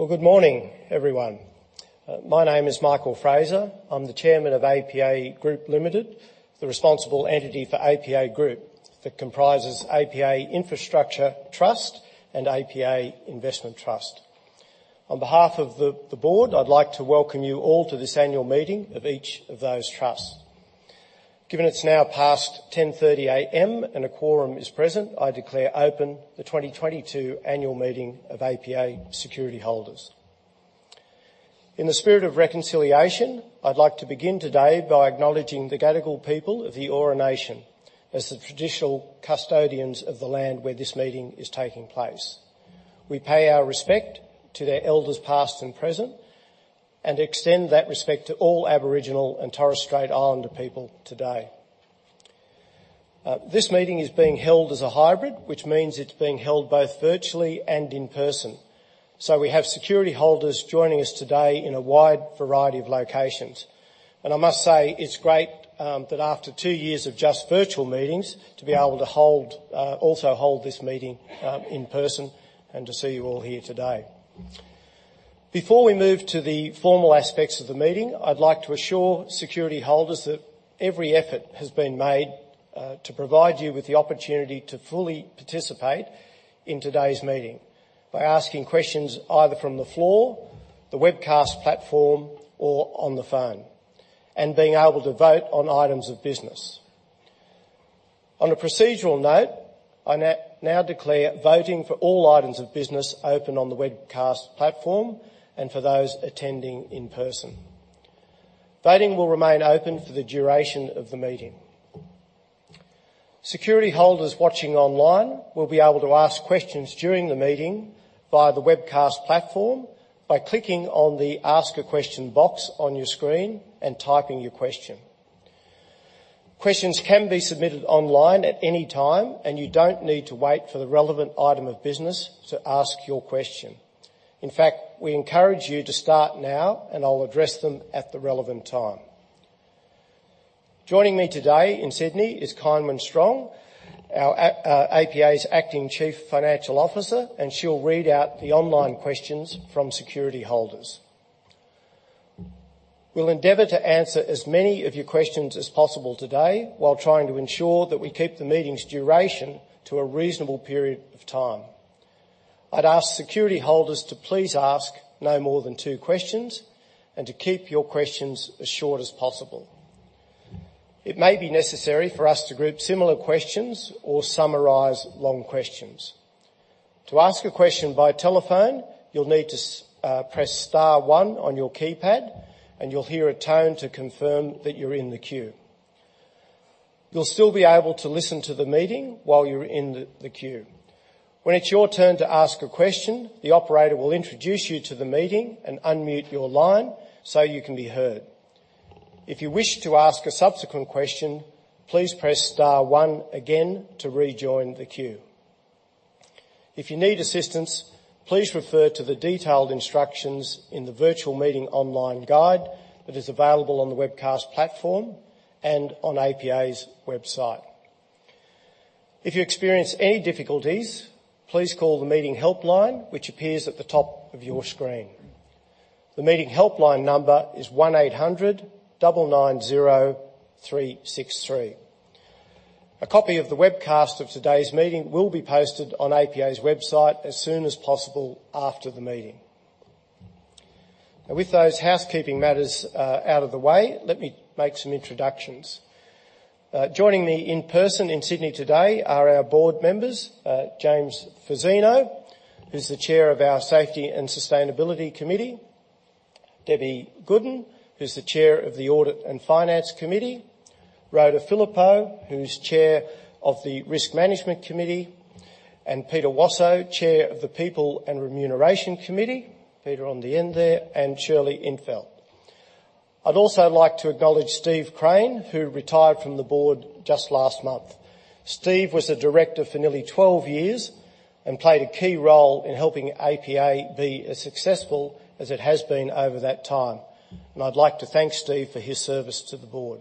Well, good morning, everyone. My name is Michael Fraser. I'm the Chairman of APA Group Limited, the responsible entity for APA Group that comprises APA Infrastructure Trust and APA Investment Trust. On behalf of the board, I'd like to welcome you all to this annual meeting of each of those trusts. Given it's now past 10:30 A.M. and a quorum is present, I declare open the 2022 annual meeting of APA security holders. In the spirit of reconciliation, I'd like to begin today by acknowledging the Gadigal people of the Eora Nation as the traditional custodians of the land where this meeting is taking place. We pay our respect to their elders, past and present, and extend that respect to all Aboriginal and Torres Strait Islander people today. This meeting is being held as a hybrid, which means it's being held both virtually and in person. We have security holders joining us today in a wide variety of locations. I must say, it's great that after two years of just virtual meetings, to be able to also hold this meeting in person and to see you all here today. Before we move to the formal aspects of the meeting, I'd like to assure security holders that every effort has been made to provide you with the opportunity to fully participate in today's meeting by asking questions either from the floor, the webcast platform, or on the phone, and being able to vote on items of business. On a procedural note, I now declare voting for all items of business open on the webcast platform and for those attending in person. Voting will remain open for the duration of the meeting. Security holders watching online will be able to ask questions during the meeting via the webcast platform by clicking on the Ask a Question box on your screen and typing your question. Questions can be submitted online at any time, and you don't need to wait for the relevant item of business to ask your question. In fact, we encourage you to start now, and I'll address them at the relevant time. Joining me today in Sydney is Kynwynn Strong, our APA's Acting Chief Financial Officer, and she'll read out the online questions from security holders. We'll endeavor to answer as many of your questions as possible today while trying to ensure that we keep the meeting's duration to a reasonable period of time. I'd ask security holders to please ask no more than two questions and to keep your questions as short as possible. It may be necessary for us to group similar questions or summarize long questions. To ask a question via telephone, you'll need to press star one on your keypad, and you'll hear a tone to confirm that you're in the queue. You'll still be able to listen to the meeting while you're in the queue. When it's your turn to ask a question, the operator will introduce you to the meeting and unmute your line so you can be heard. If you wish to ask a subsequent question, please press star one again to rejoin the queue. If you need assistance, please refer to the detailed instructions in the virtual meeting online guide that is available on the webcast platform and on APA's website. If you experience any difficulties, please call the meeting helpline, which appears at the top of your screen. The meeting helpline number is 1800 293 636. A copy of the webcast of today's meeting will be posted on APA's website as soon as possible after the meeting. With those housekeeping matters out of the way, let me make some introductions. Joining me in person in Sydney today are our board members, James Fazzino, who's the Chair of our Safety and Sustainability Committee, Debra Goodin, who's the Chair of the Audit and Finance Committee, Rhoda Phillippo, who's Chair of the Risk Management Committee, and Peter Wasow, Chair of the People and Remuneration Committee, Peter on the end there, and Shirley In't Veld. I'd also like to acknowledge Steven Crane, who retired from the board just last month. Steven was a director for nearly 12 years and played a key role in helping APA be as successful as it has been over that time. I'd like to thank Steven for his service to the board.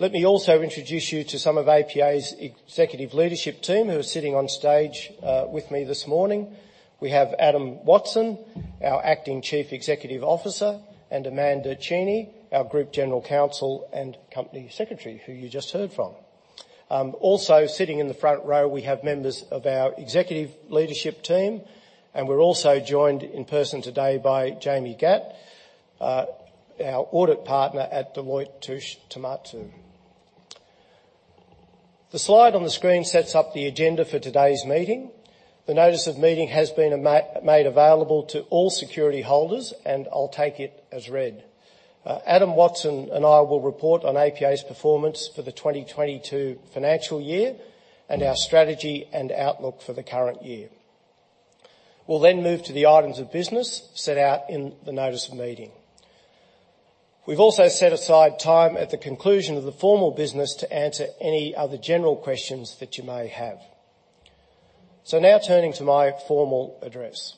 Let me also introduce you to some of APA's executive leadership team who are sitting on stage with me this morning. We have Adam Watson, our Acting Chief Executive Officer, and Amanda Cheney, our Group General Counsel and Company Secretary, who you just heard from. Also sitting in the front row, we have members of our executive leadership team, and we're also joined in person today by Jamie Gatt, our audit partner at Deloitte Touche Tohmatsu. The slide on the screen sets up the agenda for today's meeting. The notice of meeting has been made available to all security holders, and I'll take it as read. Adam Watson and I will report on APA's performance for the 2022 financial year and our strategy and outlook for the current year. We'll then move to the items of business set out in the notice of meeting. We've also set aside time at the conclusion of the formal business to answer any other general questions that you may have. Now turning to my formal address.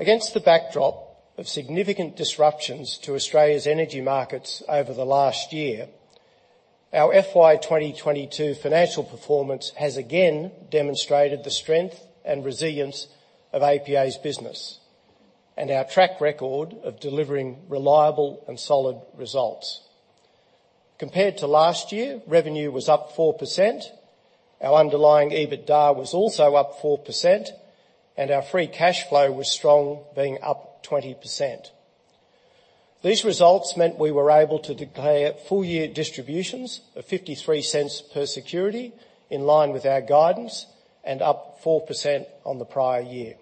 Against the backdrop of significant disruptions to Australia's energy markets over the last year, our FY 2022 financial performance has again demonstrated the strength and resilience of APA's business and our track record of delivering reliable and solid results. Compared to last year, revenue was up 4%. Our underlying EBITDA was also up 4%, and our free cash flow was strong, being up 20%. These results meant we were able to declare full-year distributions of 0.53 per security, in line with our guidance and up 4% on the prior year.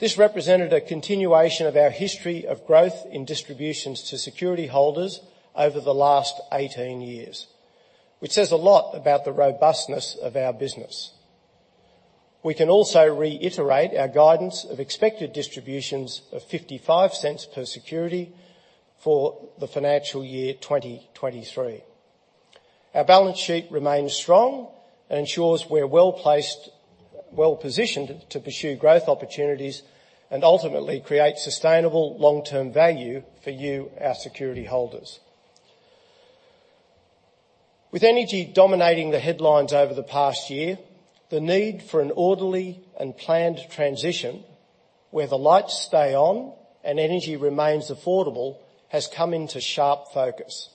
This represented a continuation of our history of growth in distributions to security holders over the last 18 years, which says a lot about the robustness of our business. We can also reiterate our guidance of expected distributions of 0.55 per security for the financial year 2023. Our balance sheet remains strong and ensures we're well-placed, well-positioned to pursue growth opportunities and ultimately create sustainable long-term value for you, our security holders. With energy dominating the headlines over the past year, the need for an orderly and planned transition where the lights stay on and energy remains affordable has come into sharp focus.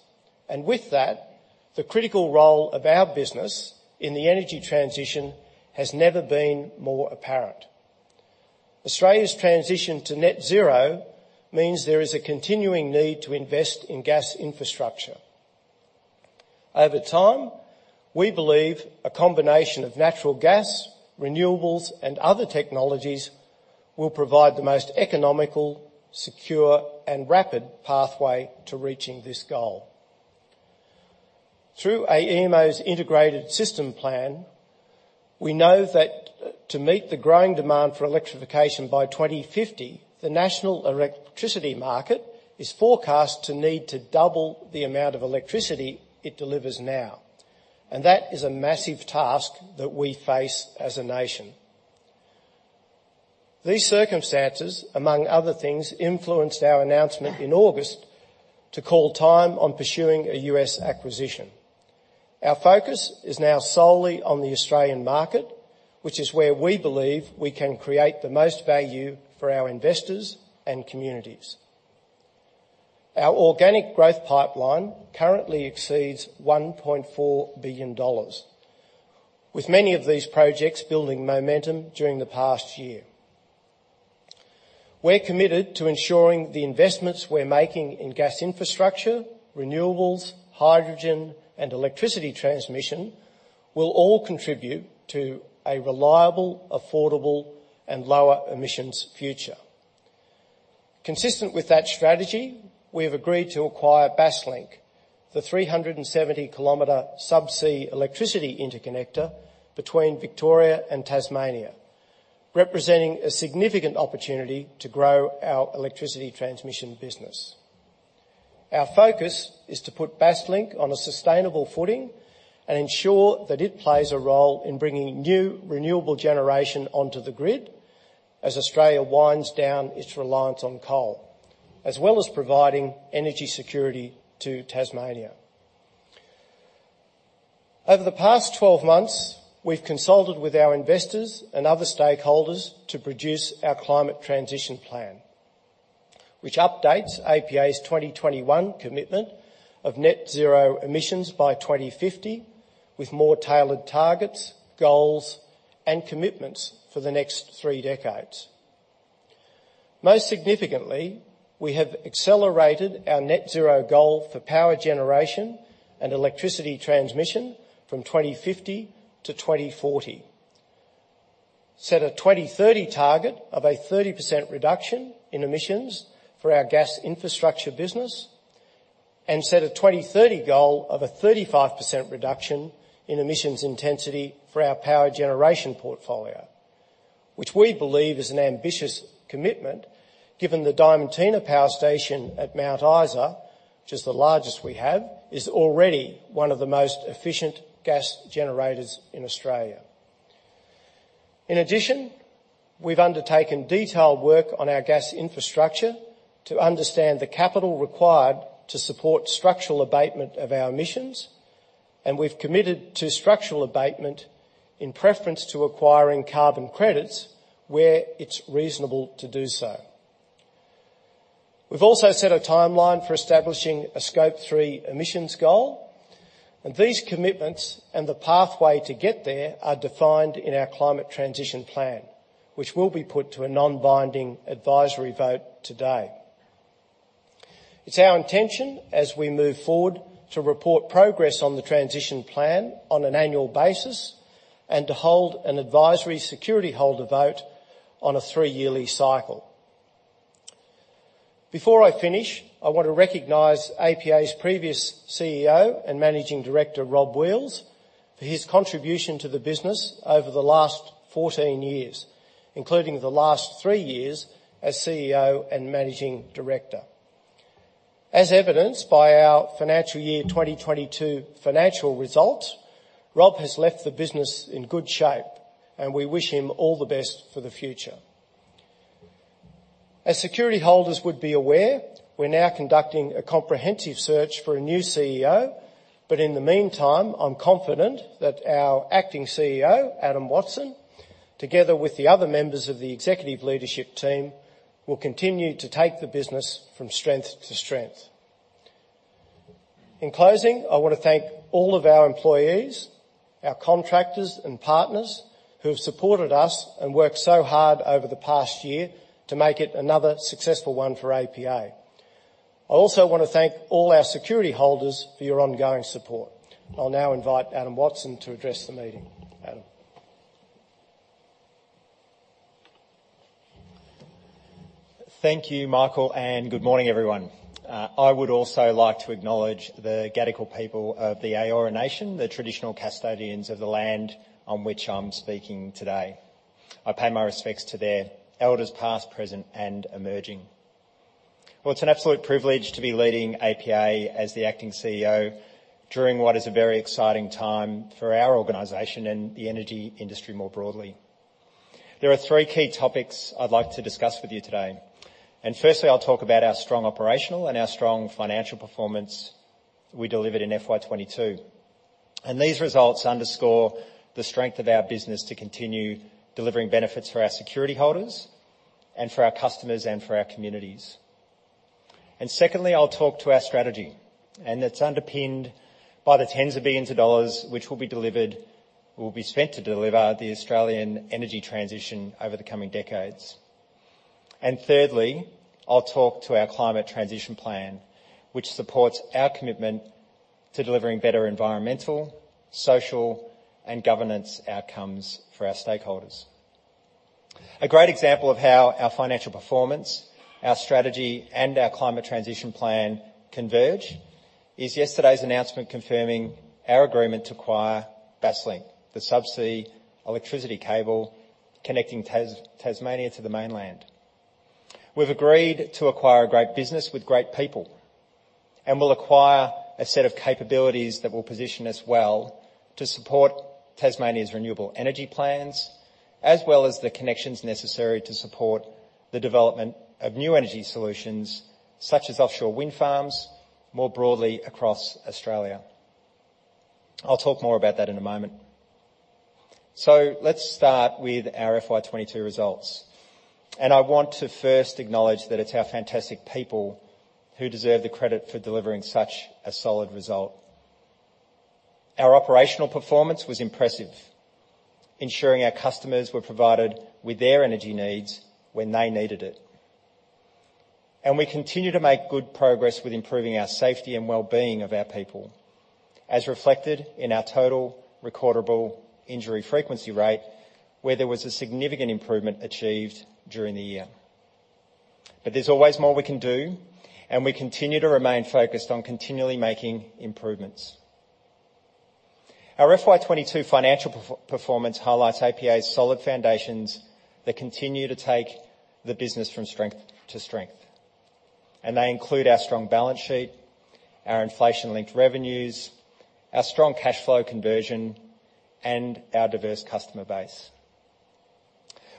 With that, the critical role of our business in the energy transition has never been more apparent. Australia's transition to net zero means there is a continuing need to invest in gas infrastructure. Over time, we believe a combination of natural gas, renewables, and other technologies will provide the most economical, secure, and rapid pathway to reaching this goal. Through AEMO's integrated system plan, we know that to meet the growing demand for electrification by 2050, the national electricity market is forecast to need to double the amount of electricity it delivers now. That is a massive task that we face as a nation. These circumstances, among other things, influenced our announcement in August to call time on pursuing a U.S. acquisition. Our focus is now solely on the Australian market, which is where we believe we can create the most value for our investors and communities. Our organic growth pipeline currently exceeds 1.4 billion dollars, with many of these projects building momentum during the past year. We're committed to ensuring the investments we're making in gas infrastructure, renewables, hydrogen, and electricity transmission will all contribute to a reliable, affordable, and lower emissions future. Consistent with that strategy, we have agreed to acquire Basslink, the 370 km sub-sea electricity interconnector between Victoria and Tasmania, representing a significant opportunity to grow our electricity transmission business. Our focus is to put Basslink on a sustainable footing and ensure that it plays a role in bringing new renewable generation onto the grid as Australia winds down its reliance on coal, as well as providing energy security to Tasmania. Over the past 12 months, we've consulted with our investors and other stakeholders to produce our climate transition plan, which updates APA's 2021 commitment of net zero emissions by 2050 with more tailored targets, goals, and commitments for the next three decades. Most significantly, we have accelerated our net zero goal for power generation and electricity transmission from 2050-2040, set a 2030 target of a 30% reduction in emissions for our gas infrastructure business, and set a 2030 goal of a 35% reduction in emissions intensity for our power generation portfolio, which we believe is an ambitious commitment given the Diamantina power station at Mount Isa, which is the largest we have, is already one of the most efficient gas generators in Australia. In addition, we've undertaken detailed work on our gas infrastructure to understand the capital required to support structural abatement of our emissions, and we've committed to structural abatement in preference to acquiring carbon credits where it's reasonable to do so. We've also set a timeline for establishing a Scope 3 emissions goal, and these commitments and the pathway to get there are defined in our climate transition plan, which will be put to a non-binding advisory vote today. It's our intention as we move forward to report progress on the transition plan on an annual basis and to hold an advisory security holder vote on a three-yearly cycle. Before I finish, I want to recognize APA's previous CEO and Managing Director, Rob Wheals, for his contribution to the business over the last 14 years, including the last three years as CEO and Managing Director. As evidenced by our financial year 2022 financial result, Rob has left the business in good shape, and we wish him all the best for the future. As security holders would be aware, we're now conducting a comprehensive search for a new CEO, but in the meantime, I'm confident that our acting CEO, Adam Watson, together with the other members of the executive leadership team, will continue to take the business from strength to strength. In closing, I wanna thank all of our employees, our contractors and partners who have supported us and worked so hard over the past year to make it another successful one for APA. I also wanna thank all our security holders for your ongoing support. I'll now invite Adam Watson to address the meeting. Adam. Thank you, Michael, and good morning, everyone. I would also like to acknowledge the Gadigal people of the Eora Nation, the traditional custodians of the land on which I'm speaking today. I pay my respects to their elders, past, present, and emerging. Well, it's an absolute privilege to be leading APA as the acting CEO during what is a very exciting time for our organization and the energy industry more broadly. There are three key topics I'd like to discuss with you today, and firstly, I'll talk about our strong operational and financial performance we delivered in FY 2022. These results underscore the strength of our business to continue delivering benefits for our security holders and for our customers and for our communities. Secondly, I'll talk to our strategy, and it's underpinned by AUD tens of billions which will be spent to deliver the Australian energy transition over the coming decades. Thirdly, I'll talk to our climate transition plan, which supports our commitment to delivering better environmental, social, and governance outcomes for our stakeholders. A great example of how our financial performance, our strategy, and our climate transition plan converge is yesterday's announcement confirming our agreement to acquire Basslink, the sub-sea electricity cable connecting Tasmania to the mainland. We've agreed to acquire a great business with great people, and we'll acquire a set of capabilities that will position us well to support Tasmania's renewable energy plans, as well as the connections necessary to support the development of new energy solutions, such as offshore wind farms, more broadly across Australia. I'll talk more about that in a moment. Let's start with our FY 2022 results, and I want to first acknowledge that it's our fantastic people who deserve the credit for delivering such a solid result. Our operational performance was impressive, ensuring our customers were provided with their energy needs when they needed it. We continue to make good progress with improving our safety and well-being of our people, as reflected in our total recordable injury frequency rate, where there was a significant improvement achieved during the year. There's always more we can do, and we continue to remain focused on continually making improvements. Our FY 2022 financial performance highlights APA's solid foundations that continue to take the business from strength to strength, and they include our strong balance sheet, our inflation-linked revenues, our strong cash flow conversion, and our diverse customer base.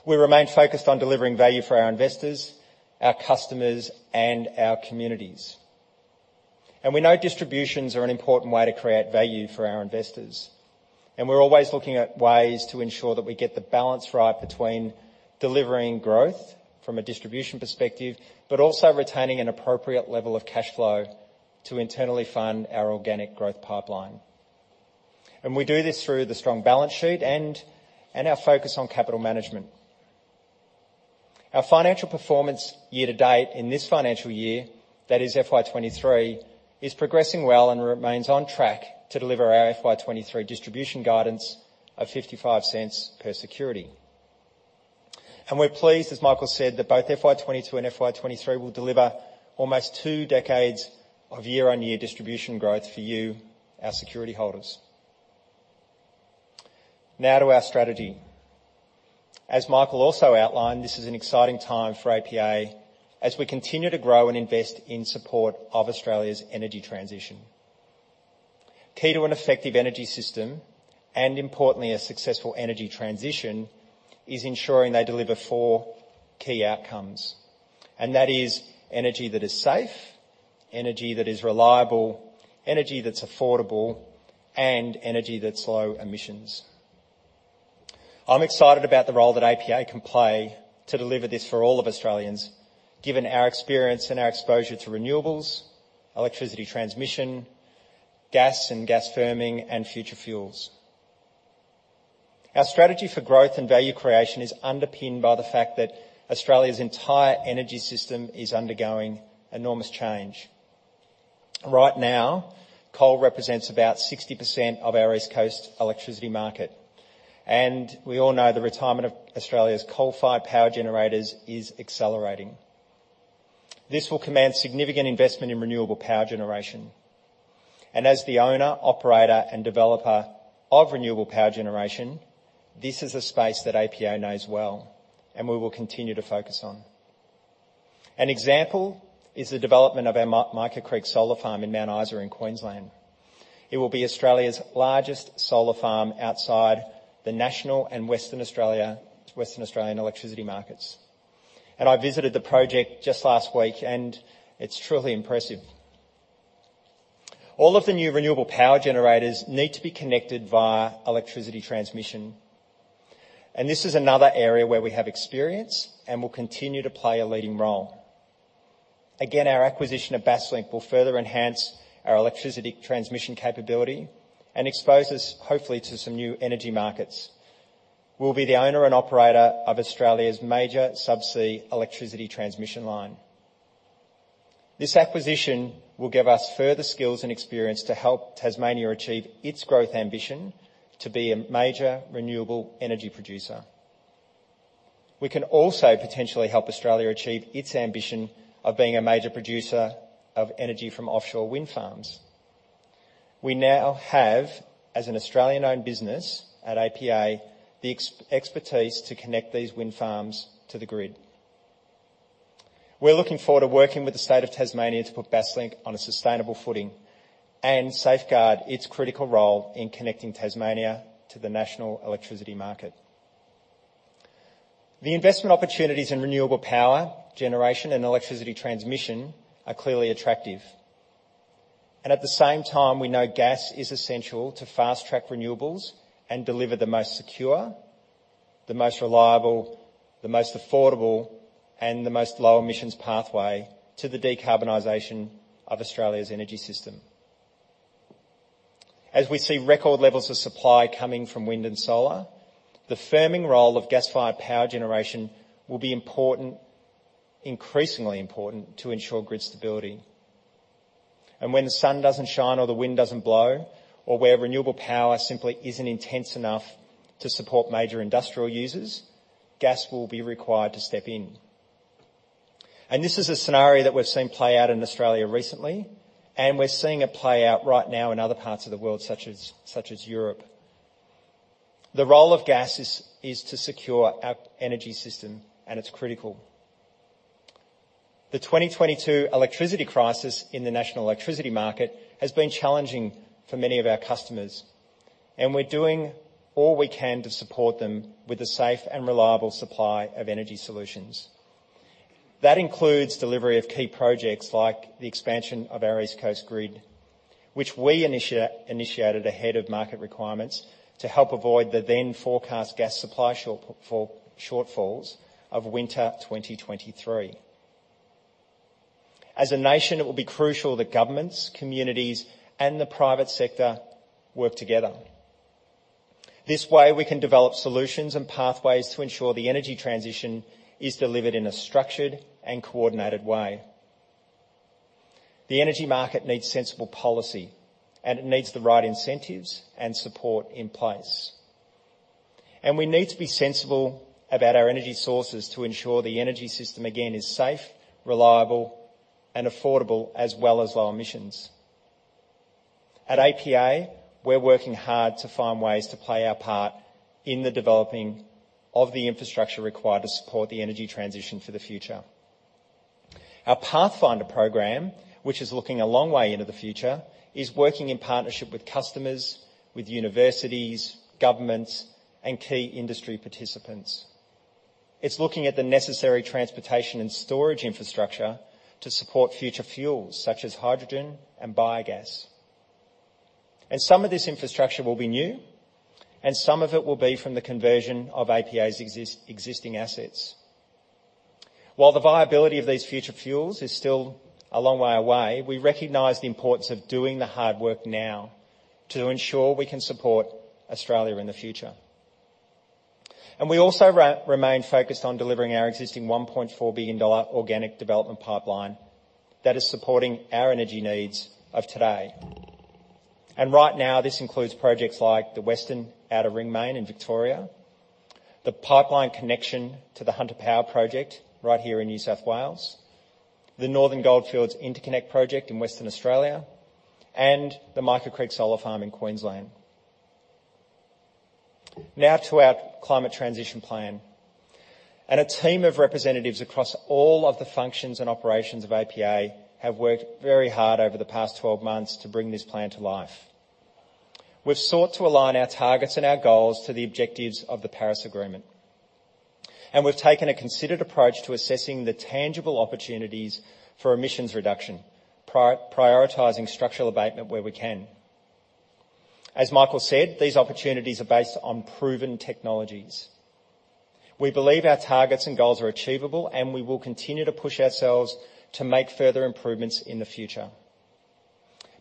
We remain focused on delivering value for our investors, our customers, and our communities. We know distributions are an important way to create value for our investors, and we're always looking at ways to ensure that we get the balance right between delivering growth from a distribution perspective but also retaining an appropriate level of cash flow to internally fund our organic growth pipeline. We do this through the strong balance sheet and our focus on capital management. Our financial performance year to date in this financial year, that is FY 2023, is progressing well and remains on track to deliver our FY 2023 distribution guidance of 0.55 per security. We're pleased, as Michael said, that both FY 2022 and FY 2023 will deliver almost two decades of year-on-year distribution growth for you, our security holders. Now to our strategy. As Michael also outlined, this is an exciting time for APA as we continue to grow and invest in support of Australia's energy transition. Key to an effective energy system, and importantly a successful energy transition, is ensuring they deliver four key outcomes, and that is energy that is safe, energy that is reliable, energy that's affordable, and energy that's low emissions. I'm excited about the role that APA can play to deliver this for all of Australians given our experience and our exposure to renewables, electricity transmission, gas and gas firming, and future fuels. Our strategy for growth and value creation is underpinned by the fact that Australia's entire energy system is undergoing enormous change. Right now, coal represents about 60% of our East Coast electricity market, and we all know the retirement of Australia's coal-fired power generators is accelerating. This will command significant investment in renewable power generation. As the owner, operator, and developer of renewable power generation, this is a space that APA knows well, and we will continue to focus on. An example is the development of our Mica Creek solar farm in Mount Isa in Queensland. It will be Australia's largest solar farm outside the National and Western Australian electricity markets. I visited the project just last week, and it's truly impressive. All of the new renewable power generators need to be connected via electricity transmission. This is another area where we have experience and will continue to play a leading role. Again, our acquisition of Basslink will further enhance our electricity transmission capability and expose us, hopefully, to some new energy markets. We'll be the owner and operator of Australia's major sub-sea electricity transmission line. This acquisition will give us further skills and experience to help Tasmania achieve its growth ambition to be a major renewable energy producer. We can also potentially help Australia achieve its ambition of being a major producer of energy from offshore wind farms. We now have, as an Australian-owned business at APA, the expertise to connect these wind farms to the grid. We're looking forward to working with the state of Tasmania to put Basslink on a sustainable footing and safeguard its critical role in connecting Tasmania to the national electricity market. The investment opportunities in renewable power, generation, and electricity transmission are clearly attractive. At the same time, we know gas is essential to fast-track renewables and deliver the most secure, the most reliable, the most affordable, and the most low-emissions pathway to the decarbonization of Australia's energy system. As we see record levels of supply coming from wind and solar, the firming role of gas-fired power generation will be important, increasingly important to ensure grid stability. When the sun doesn't shine, or the wind doesn't blow, or where renewable power simply isn't intense enough to support major industrial users, gas will be required to step in. This is a scenario that we've seen play out in Australia recently, and we're seeing it play out right now in other parts of the world, such as Europe. The role of gas is to secure our energy system, and it's critical. The 2022 electricity crisis in the national electricity market has been challenging for many of our customers, and we're doing all we can to support them with a safe and reliable supply of energy solutions. That includes delivery of key projects like the expansion of East Coast Grid, which we initiated ahead of market requirements to help avoid the then forecast gas supply shortfalls of winter 2023. As a nation, it will be crucial that governments, communities, and the private sector work together. This way, we can develop solutions and pathways to ensure the energy transition is delivered in a structured and coordinated way. The energy market needs sensible policy, and it needs the right incentives and support in place. We need to be sensible about our energy sources to ensure the energy system again is safe, reliable, and affordable, as well as low emissions. At APA, we're working hard to find ways to play our part in the developing of the infrastructure required to support the energy transition for the future. Our Pathfinder program, which is looking a long way into the future, is working in partnership with customers, with universities, governments, and key industry participants. It's looking at the necessary transportation and storage infrastructure to support future fuels such as hydrogen and biogas. Some of this infrastructure will be new, and some of it will be from the conversion of APA's existing assets. While the viability of these future fuels is still a long way away, we recognize the importance of doing the hard work now to ensure we can support Australia in the future. We also remain focused on delivering our existing 1.4 billion dollar organic development pipeline that is supporting our energy needs of today. Right now, this includes projects like the Western Outer Ring Main in Victoria, the pipeline connection to the Hunter Power Project right here in New South Wales, the Northern Goldfields Interconnect Project in Western Australia, and the Mica Creek Solar Farm in Queensland. Now to our climate transition plan. A team of representatives across all of the functions and operations of APA have worked very hard over the past 12 months to bring this plan to life. We've sought to align our targets and our goals to the objectives of the Paris Agreement, and we've taken a considered approach to assessing the tangible opportunities for emissions reduction, prioritizing structural abatement where we can. As Michael said, these opportunities are based on proven technologies. We believe our targets and goals are achievable, and we will continue to push ourselves to make further improvements in the future.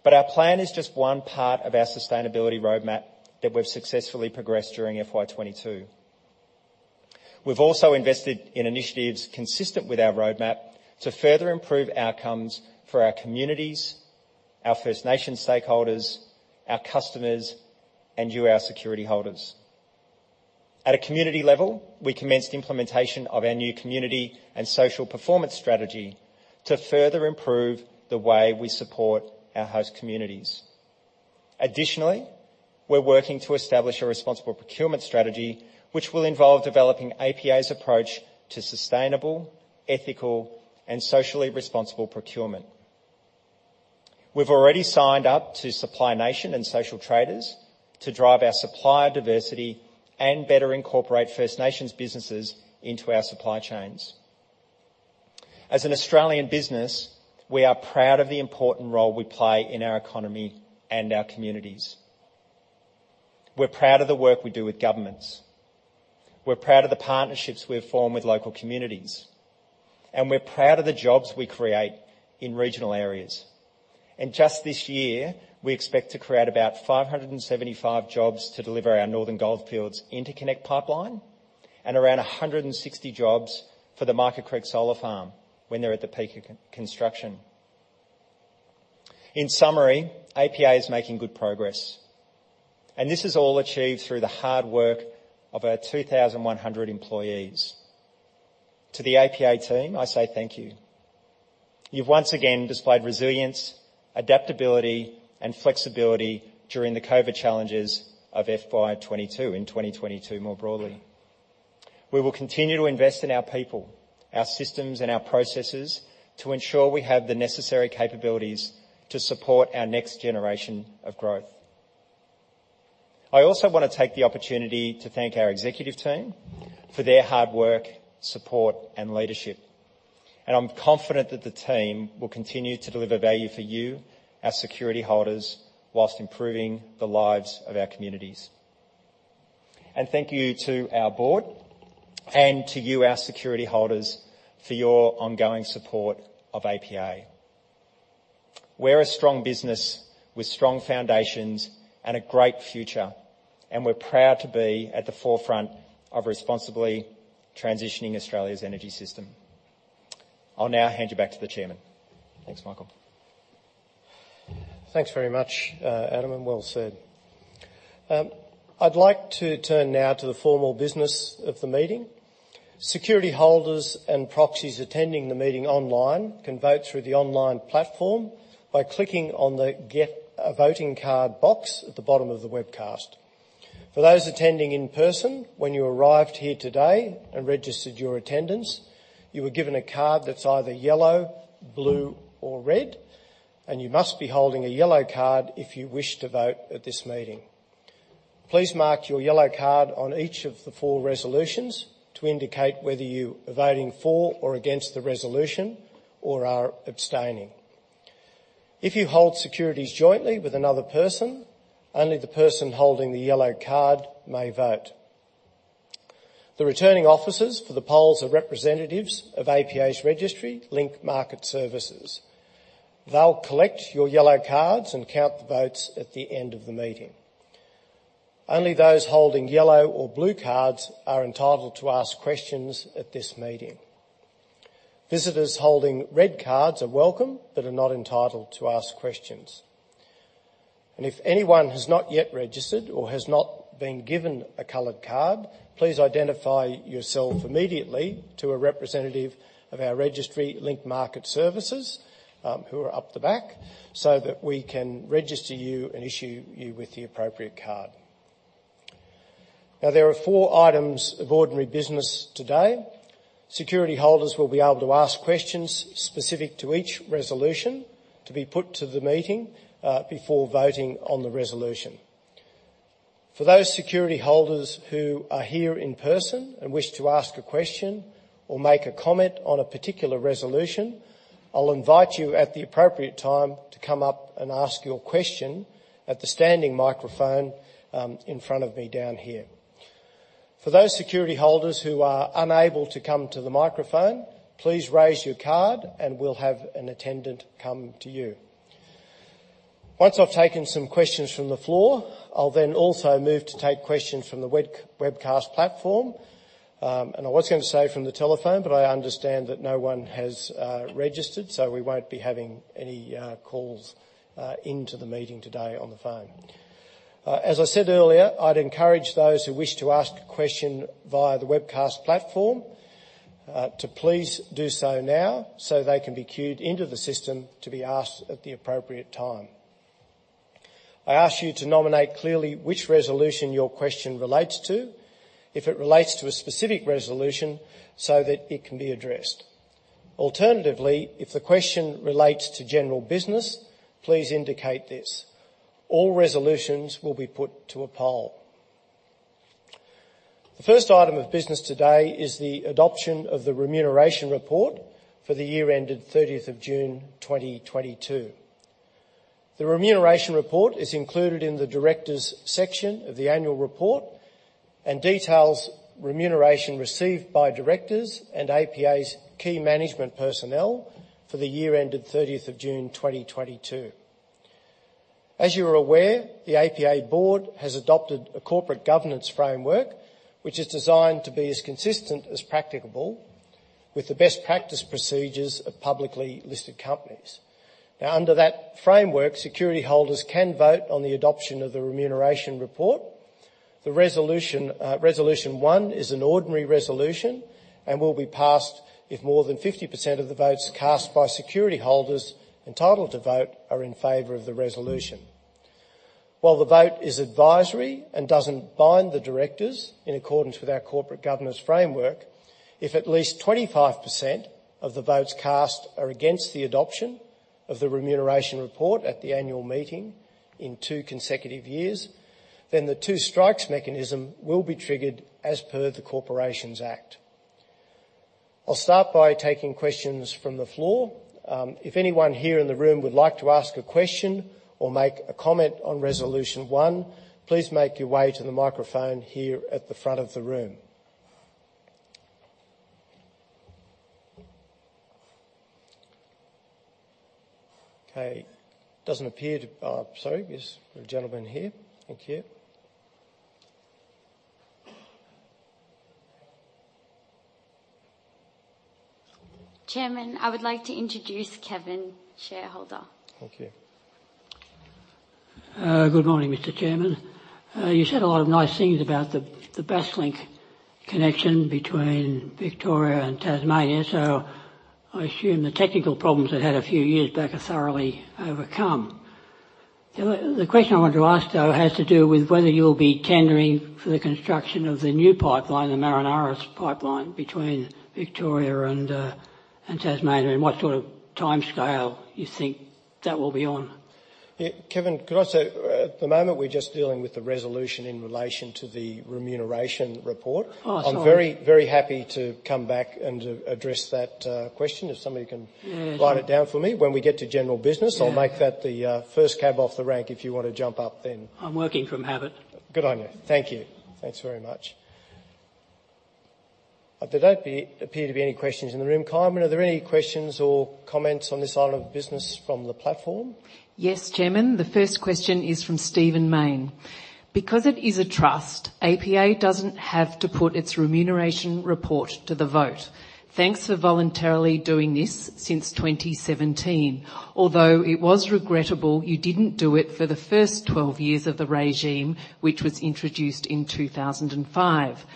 Our plan is just one part of our sustainability roadmap that we've successfully progressed during FY 22. We've also invested in initiatives consistent with our roadmap to further improve outcomes for our communities, our First Nations stakeholders, our customers, and you, our security holders. At a community level, we commenced implementation of our new community and social performance strategy to further improve the way we support our host communities. Additionally, we're working to establish a responsible procurement strategy, which will involve developing APA's approach to sustainable, ethical, and socially responsible procurement. We've already signed up to Supply Nation and Social Traders to drive our supplier diversity and better incorporate First Nations businesses into our supply chains. As an Australian business, we are proud of the important role we play in our economy and our communities. We're proud of the work we do with governments. We're proud of the partnerships we have formed with local communities, and we're proud of the jobs we create in regional areas. Just this year, we expect to create about 575 jobs to deliver our Northern Goldfields Interconnect project pipeline and around 160 jobs for the Mica Creek Solar Farm when they're at the peak of construction. In summary, APA is making good progress, and this is all achieved through the hard work of our 2,100 employees. To the APA team, I say thank you. You've once again displayed resilience, adaptability, and flexibility during the COVID challenges of FY 2022 and 2022 more broadly. We will continue to invest in our people, our systems, and our processes to ensure we have the necessary capabilities to support our next generation of growth. I also wanna take the opportunity to thank our executive team for their hard work, support, and leadership, and I'm confident that the team will continue to deliver value for you, our security holders, whilst improving the lives of our communities. Thank you to our board and to you, our security holders, for your ongoing support of APA. We're a strong business with strong foundations and a great future, and we're proud to be at the forefront of responsibly transitioning Australia's energy system. I'll now hand you back to the chairman. Thanks, Michael. Thanks very much, Adam, and well said. I'd like to turn now to the formal business of the meeting. Security holders and proxies attending the meeting online can vote through the online platform by clicking on the Get a Voting Card box at the bottom of the webcast. For those attending in person, when you arrived here today and registered your attendance, you were given a card that's either yellow, blue, or red, and you must be holding a yellow card if you wish to vote at this meeting. Please mark your yellow card on each of the four resolutions to indicate whether you are voting for or against the resolution or are abstaining. If you hold securities jointly with another person, only the person holding the yellow card may vote. The returning officers for the polls are representatives of APA's registry, Link Market Services. They'll collect your yellow cards and count the votes at the end of the meeting. Only those holding yellow or blue cards are entitled to ask questions at this meeting. Visitors holding red cards are welcome, but are not entitled to ask questions. If anyone has not yet registered or has not been given a colored card, please identify yourself immediately to a representative of our registry, Link Market Services, who are up the back, so that we can register you and issue you with the appropriate card. Now, there are four items of ordinary business today. Security holders will be able to ask questions specific to each resolution to be put to the meeting, before voting on the resolution. For those security holders who are here in person and wish to ask a question or make a comment on a particular resolution, I'll invite you at the appropriate time to come up and ask your question at the standing microphone in front of me down here. For those security holders who are unable to come to the microphone, please raise your card and we'll have an attendant come to you. Once I've taken some questions from the floor, I'll then also move to take questions from the webcast platform. I was going to say from the telephone, but I understand that no one has registered, so we won't be having any calls into the meeting today on the phone. As I said earlier, I'd encourage those who wish to ask a question via the webcast platform to please do so now, so they can be queued into the system to be asked at the appropriate time. I ask you to nominate clearly which resolution your question relates to, if it relates to a specific resolution, so that it can be addressed. Alternatively, if the question relates to general business, please indicate this. All resolutions will be put to a poll. The first item of business today is the adoption of the remuneration report for the year ended 30th of June 2022. The remuneration report is included in the directors' section of the annual report and details remuneration received by directors and APA's key management personnel for the year ended 30th of June 2022. As you are aware, the APA board has adopted a corporate governance framework which is designed to be as consistent as practicable with the best practice procedures of publicly listed companies. Now under that framework, security holders can vote on the adoption of the remuneration report. The resolution 1 is an ordinary resolution and will be passed if more than 50% of the votes cast by security holders entitled to vote are in favor of the resolution. While the vote is advisory and doesn't bind the directors in accordance with our corporate governance framework, if at least 25% of the votes cast are against the adoption of the remuneration report at the annual meeting in two consecutive years, then the two strikes mechanism will be triggered as per the Corporations Act. I'll start by taking questions from the floor. If anyone here in the room would like to ask a question or make a comment on resolution 1, please make your way to the microphone here at the front of the room. Okay, sorry, there's a gentleman here. Thank you. Chairman, I would like to introduce Kevin Troy, shareholder. Thank you. Good morning, Mr. Chairman. You said a lot of nice things about the Basslink connection between Victoria and Tasmania. I assume the technical problems it had a few years back are thoroughly overcome. The question I want to ask, though, has to do with whether you'll be tendering for the construction of the new Marinus Link between Victoria and Tasmania, and what sort of timescale you think that will be on. Yeah. Kevin, could I say at the moment we're just dealing with the resolution in relation to the remuneration report. Oh, sorry. I'm very, very happy to come back and address that question, if somebody can- Mm. Write it down for me. When we get to general business. Yeah. I'll make that the first cab off the rank if you wanna jump up then. I'm working from habit. Good on you. Thank you. Thanks very much. There don't appear to be any questions in the room. Kynwynn, are there any questions or comments on this item of business from the platform? Yes, Chairman. The first question is from Stephen Mayne. Because it is a trust, APA doesn't have to put its remuneration report to the vote. Thanks for voluntarily doing this since 2017, although it was regrettable you didn't do it for the first 12 years of the regime, which was introduced in 2005.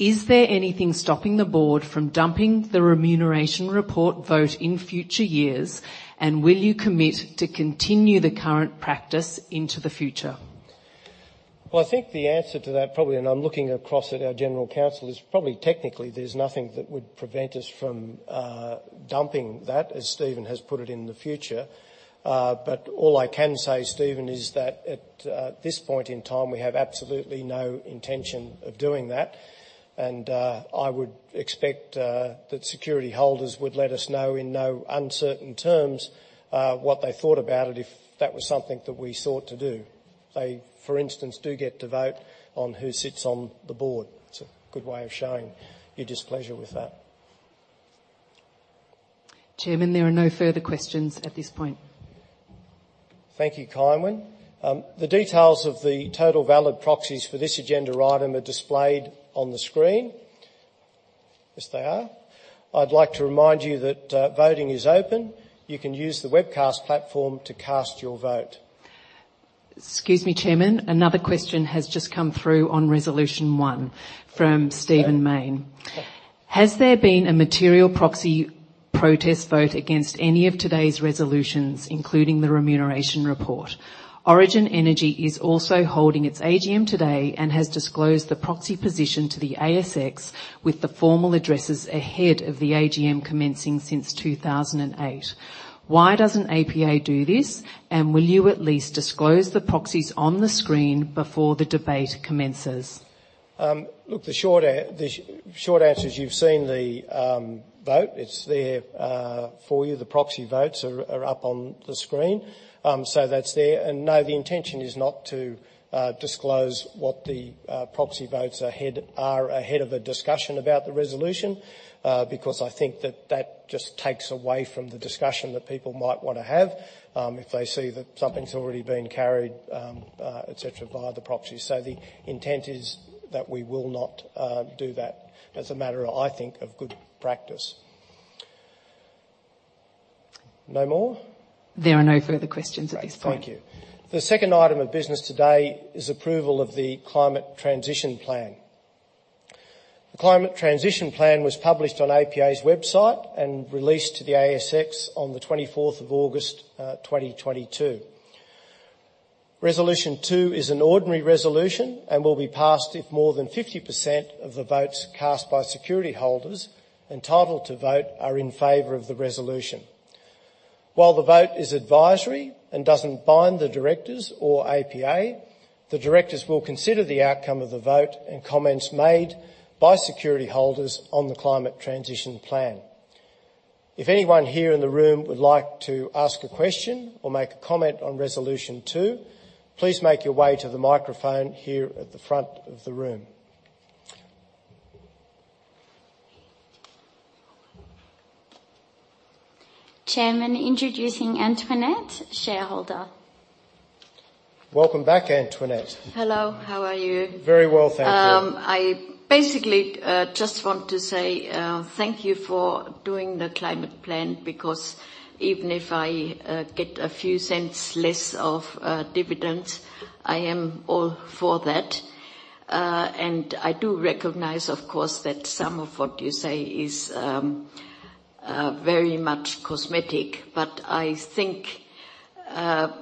Is there anything stopping the board from dumping the remuneration report vote in future years, and will you commit to continue the current practice into the future? Well, I think the answer to that probably, and I'm looking across at our general counsel, is probably technically there's nothing that would prevent us from dumping that, as Steven has put it, in the future. All I can say, Steven, is that at this point in time, we have absolutely no intention of doing that. I would expect that security holders would let us know, in no uncertain terms, what they thought about it if that was something that we sought to do. They, for instance, do get to vote on who sits on the board. It's a good way of showing your displeasure with that. Chairman, there are no further questions at this point. Thank you, Kynwynn. The details of the total valid proxies for this agenda item are displayed on the screen. Yes, they are. I'd like to remind you that voting is open. You can use the webcast platform to cast your vote. Excuse me, Chairman. Another question has just come through on resolution one from Steven Main. Has there been a material proxy protest vote against any of today's resolutions, including the remuneration report? Origin Energy is also holding its AGM today and has disclosed the proxy position to the ASX with the formal addresses ahead of the AGM commencing since 2008. Why doesn't APA do this, and will you at least disclose the proxies on the screen before the debate commences? Look, the short answer is you've seen the vote. It's there for you. The proxy votes are up on the screen. So that's there. No, the intention is not to disclose what the proxy votes ahead are ahead of a discussion about the resolution, because I think that just takes away from the discussion that people might wanna have, if they see that something's already been carried, et cetera, via the proxy. So the intent is that we will not do that as a matter of, I think, of good practice. No more? There are no further questions at this point. Great. Thank you. The second item of business today is approval of the climate transition plan. The climate transition plan was published on APA's website and released to the ASX on the twenty-fourth of August 2022. Resolution 2 is an ordinary resolution and will be passed if more than 50% of the votes cast by security holders entitled to vote are in favor of the resolution. While the vote is advisory and doesn't bind the directors or APA, the directors will consider the outcome of the vote and comments made by security holders on the climate transition plan. If anyone here in the room would like to ask a question or make a comment on Resolution 2, please make your way to the microphone here at the front of the room. Chairman, introducing Antoinette, shareholder. Welcome back, Antoinette. Hello. How are you? Very well, thank you. I basically just want to say thank you for doing the climate plan because even if I get a few cents less of dividends, I am all for that. I do recognize, of course, that some of what you say is very much cosmetic, but I think APA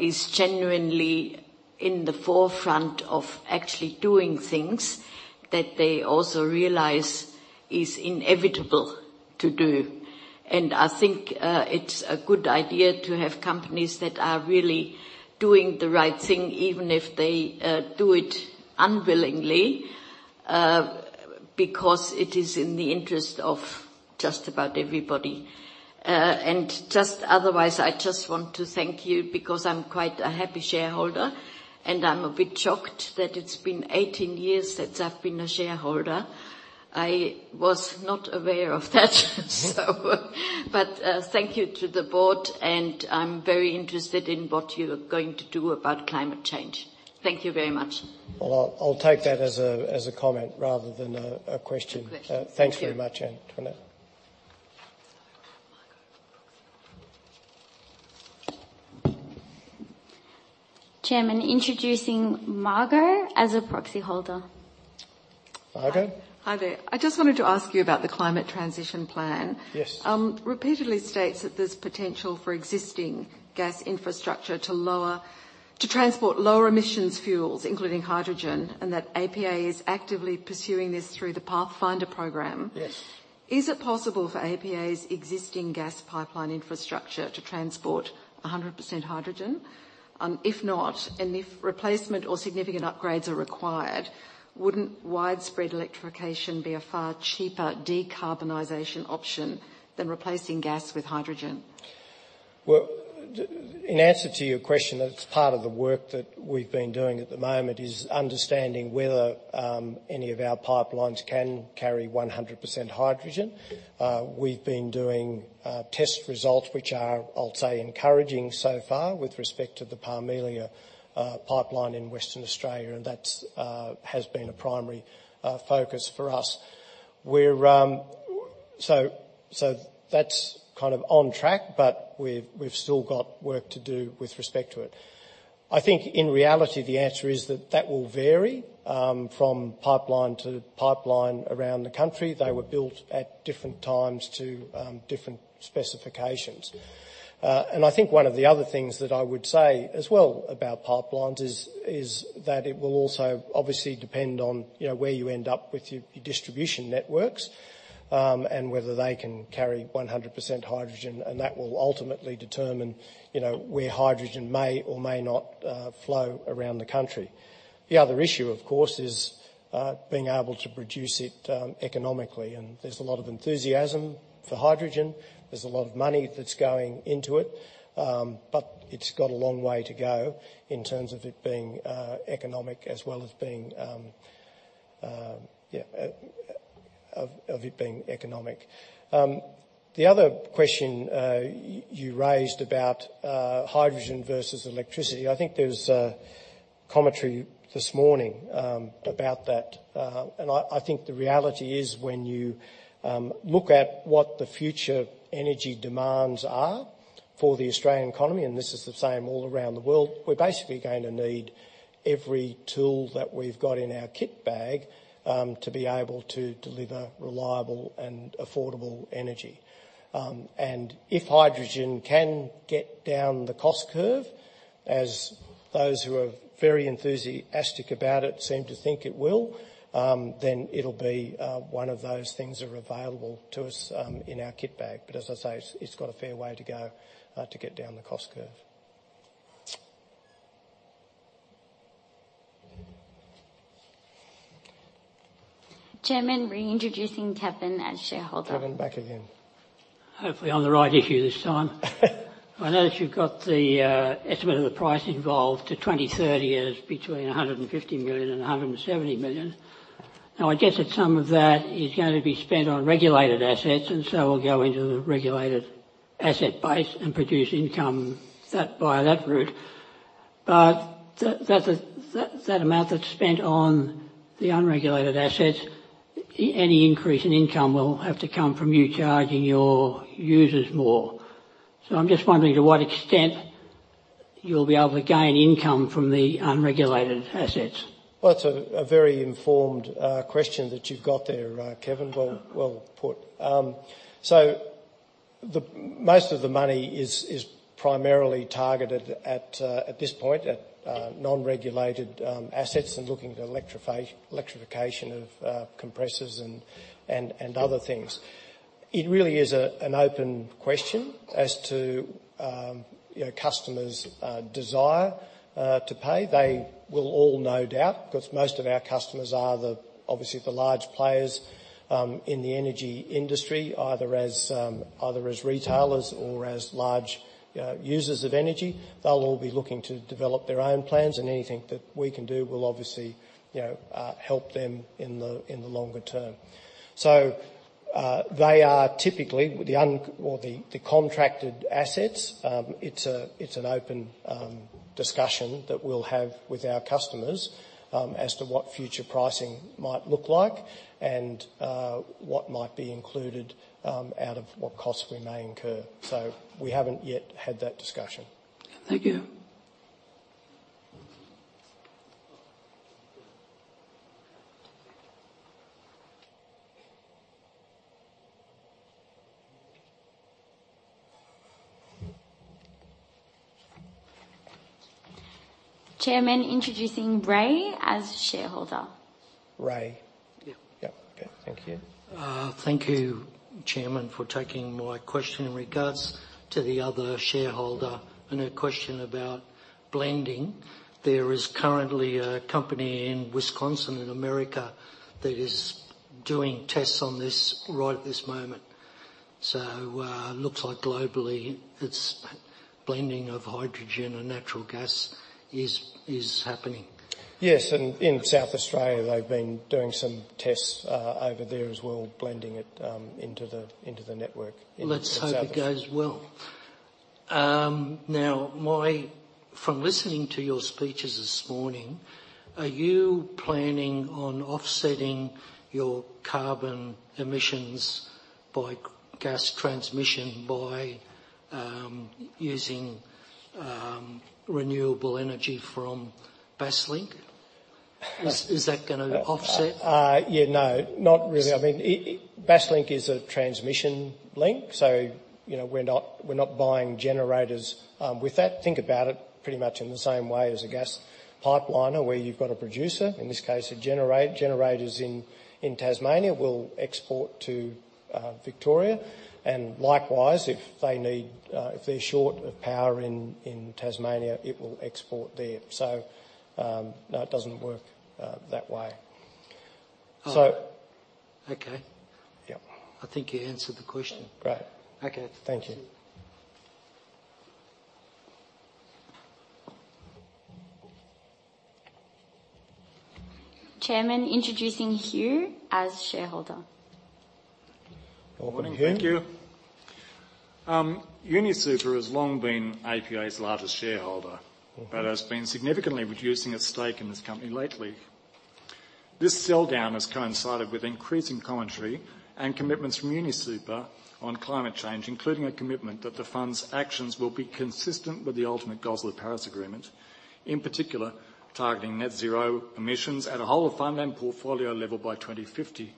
is genuinely in the forefront of actually doing things that they also realize is inevitable to do. I think it's a good idea to have companies that are really doing the right thing even if they do it unwillingly because it is in the interest of just about everybody. Just otherwise, I just want to thank you because I'm quite a happy shareholder, and I'm a bit shocked that it's been 18 years since I've been a shareholder. I was not aware of that. Yeah. Thank you to the board, and I'm very interested in what you are going to do about climate change. Thank you very much. Well, I'll take that as a comment rather than a question. Good question. Thank you. Thanks very much, Antoinette. Chairman, introducing Margo as a proxy holder. Margo. Hi. Hi there. I just wanted to ask you about the climate transition plan. Yes. Repeatedly states that there's potential for existing gas infrastructure to lower, to transport lower emissions fuels, including hydrogen, and that APA is actively pursuing this through the Pathfinder program. Yes. Is it possible for APA's existing gas pipeline infrastructure to transport 100% hydrogen? If not, and if replacement or significant upgrades are required, wouldn't widespread electrification be a far cheaper decarbonization option than replacing gas with hydrogen? Well, in answer to your question, that's part of the work that we've been doing at the moment is understanding whether any of our pipelines can carry 100% hydrogen. We've been doing test results which are, I'll say, encouraging so far with respect to the Parmelia pipeline in Western Australia, and that has been a primary focus for us. That's kind of on track, but we've still got work to do with respect to it. I think in reality, the answer is that that will vary from pipeline to pipeline around the country. They were built at different times to different specifications. I think one of the other things that I would say as well about pipelines is that it will also obviously depend on, you know, where you end up with your distribution networks, and whether they can carry 100% hydrogen, and that will ultimately determine, you know, where hydrogen may or may not flow around the country. The other issue, of course, is being able to produce it economically, and there's a lot of enthusiasm for hydrogen. There's a lot of money that's going into it. It's got a long way to go in terms of it being economic. The other question you raised about hydrogen versus electricity, I think there was a commentary this morning about that. I think the reality is when you look at what the future energy demands are for the Australian economy, and this is the same all around the world, we're basically going to need every tool that we've got in our kit bag to be able to deliver reliable and affordable energy. If hydrogen can get down the cost curve, as those who are very enthusiastic about it seem to think it will, then it'll be one of those things that are available to us in our kit bag. As I say, it's got a fair way to go to get down the cost curve. Chairman, reintroducing Kevin as shareholder. Kevin, back again. Hopefully on the right issue this time. I notice you've got the estimate of the price involved to 2030 as between 150 million and 170 million. Now, I guess that some of that is gonna be spent on regulated assets and so will go into the regulated asset base and produce income that, by that route. But that amount that's spent on the unregulated assets, any increase in income will have to come from you charging your users more. I'm just wondering to what extent you'll be able to gain income from the unregulated assets. Well, that's a very informed question that you've got there, Kevin. Well put. So the most of the money is primarily targeted at this point at non-regulated assets and looking at electrification of compressors and other things. It really is an open question as to you know, customers' desire to pay. They will all no doubt, 'cause most of our customers are obviously the large players in the energy industry, either as retailers or as large users of energy. They'll all be looking to develop their own plans, and anything that we can do will obviously you know help them in the longer term. They are typically the unregulated or the contracted assets. It's an open discussion that we'll have with our customers as to what future pricing might look like and what might be included out of what costs we may incur. We haven't yet had that discussion. Thank you. Chairman introducing Ray as shareholder. Ray? Yeah. Yep. Okay. Thank you. Thank you, Chairman, for taking my question in regards to the other shareholder and her question about blending. There is currently a company in Wisconsin, in America, that is doing tests on this right this moment. Looks like globally it's blending of hydrogen and natural gas is happening. Yes, in South Australia, they've been doing some tests over there as well, blending it into the network in South Aus- Let's hope it goes well. From listening to your speeches this morning, are you planning on offsetting your carbon emissions from gas transmission by using renewable energy from Basslink? Is that gonna offset? Yeah, no, not really. I mean, Basslink is a transmission link, so, you know, we're not buying generators with that. Think about it pretty much in the same way as a gas pipeline or where you've got a producer, in this case, generators in Tasmania will export to Victoria. Likewise, if they're short of power in Tasmania, it will export there. No, it doesn't work that way. Oh. So- Okay. Yep. I think you answered the question. Great. Okay. Thank you. Chairman, introducing Hugh as shareholder. Welcome, Hugh. Morning. Thank you. UniSuper has long been APA's largest shareholder- Mm-hmm has been significantly reducing its stake in this company lately. This sell down has coincided with increasing commentary and commitments from UniSuper on climate change, including a commitment that the fund's actions will be consistent with the ultimate goals of the Paris Agreement, in particular, targeting net zero emissions at a whole-of-fund and portfolio level by 2050.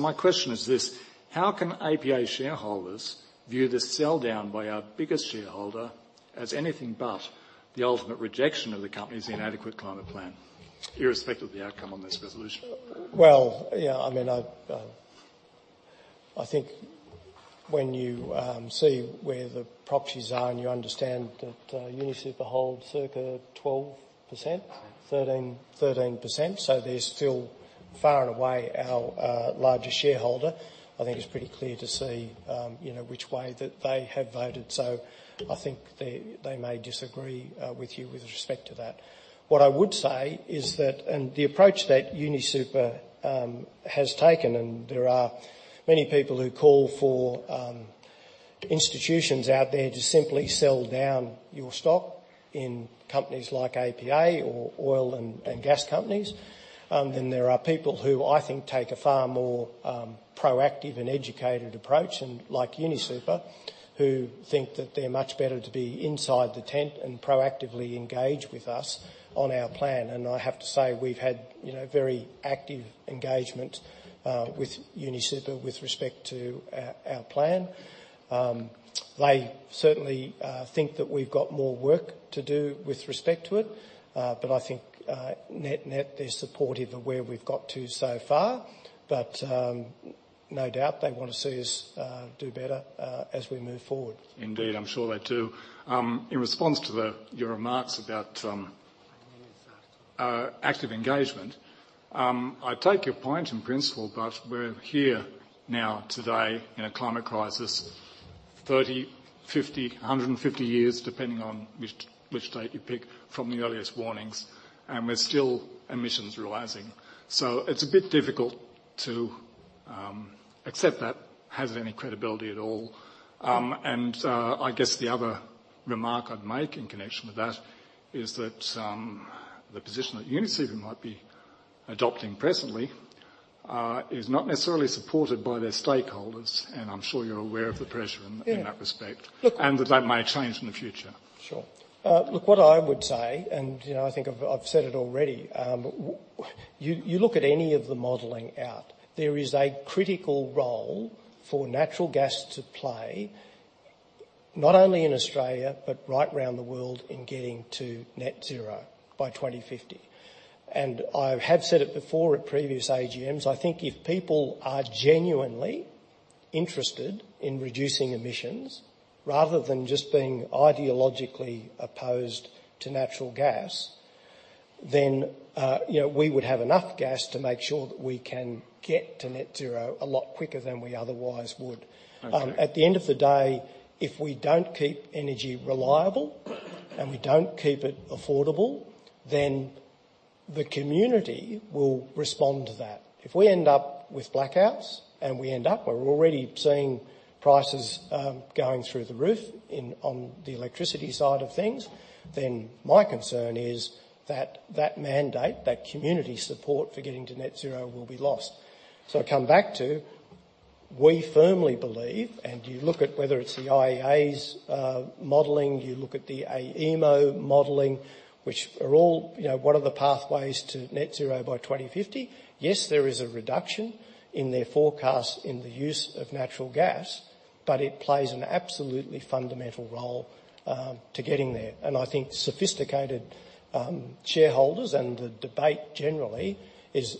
My question is this: How can APA shareholders view the sell down by our biggest shareholder as anything but the ultimate rejection of the company's inadequate climate plan, irrespective of the outcome on this resolution? Well, yeah, I mean, I think when you see where the proxies are and you understand that UniSuper hold circa 12%, 13%, so they're still far and away our largest shareholder, I think it's pretty clear to see, you know, which way that they have voted. I think they may disagree with you with respect to that. What I would say is that the approach that UniSuper has taken, and there are many people who call for institutions out there to simply sell down your stock in companies like APA or oil and gas companies, then there are people who I think take a far more proactive and educated approach and, like UniSuper, who think that they're much better to be inside the tent and proactively engage with us on our plan. I have to say, we've had, you know, very active engagement with UniSuper with respect to our plan. They certainly think that we've got more work to do with respect to it, but I think, net-net, they're supportive of where we've got to so far. No doubt they wanna see us do better as we move forward. Indeed. I'm sure they do. In response to your remarks about active engagement, I take your point in principle, but we're here now today in a climate crisis, 30, 50, 150 years, depending on which date you pick from the earliest warnings, and emissions are still rising. It's a bit difficult to accept that has any credibility at all. I guess the other remark I'd make in connection with that is that the position that UniSuper might be adopting presently is not necessarily supported by their stakeholders, and I'm sure you're aware of the pressure in that respect. Yeah. That may change in the future. Sure. Look, what I would say, and, you know, I think I've said it already, you look at any of the modeling out there is a critical role for natural gas to play, not only in Australia, but right around the world in getting to net zero by 2050. I have said it before at previous AGMs. I think if people are genuinely interested in reducing emissions rather than just being ideologically opposed to natural gas, then, you know, we would have enough gas to make sure that we can get to net zero a lot quicker than we otherwise would. Okay. At the end of the day, if we don't keep energy reliable and we don't keep it affordable, then the community will respond to that. If we end up with blackouts, we're already seeing prices going through the roof in, on the electricity side of things, then my concern is that that mandate, that community support for getting to net zero will be lost. I come back to, we firmly believe, and you look at whether it's the IEA's modeling, you look at the AEMO modeling, which are all, you know, what are the pathways to net zero by 2050. Yes, there is a reduction in their forecast in the use of natural gas, but it plays an absolutely fundamental role to getting there. I think sophisticated shareholders and the debate generally is,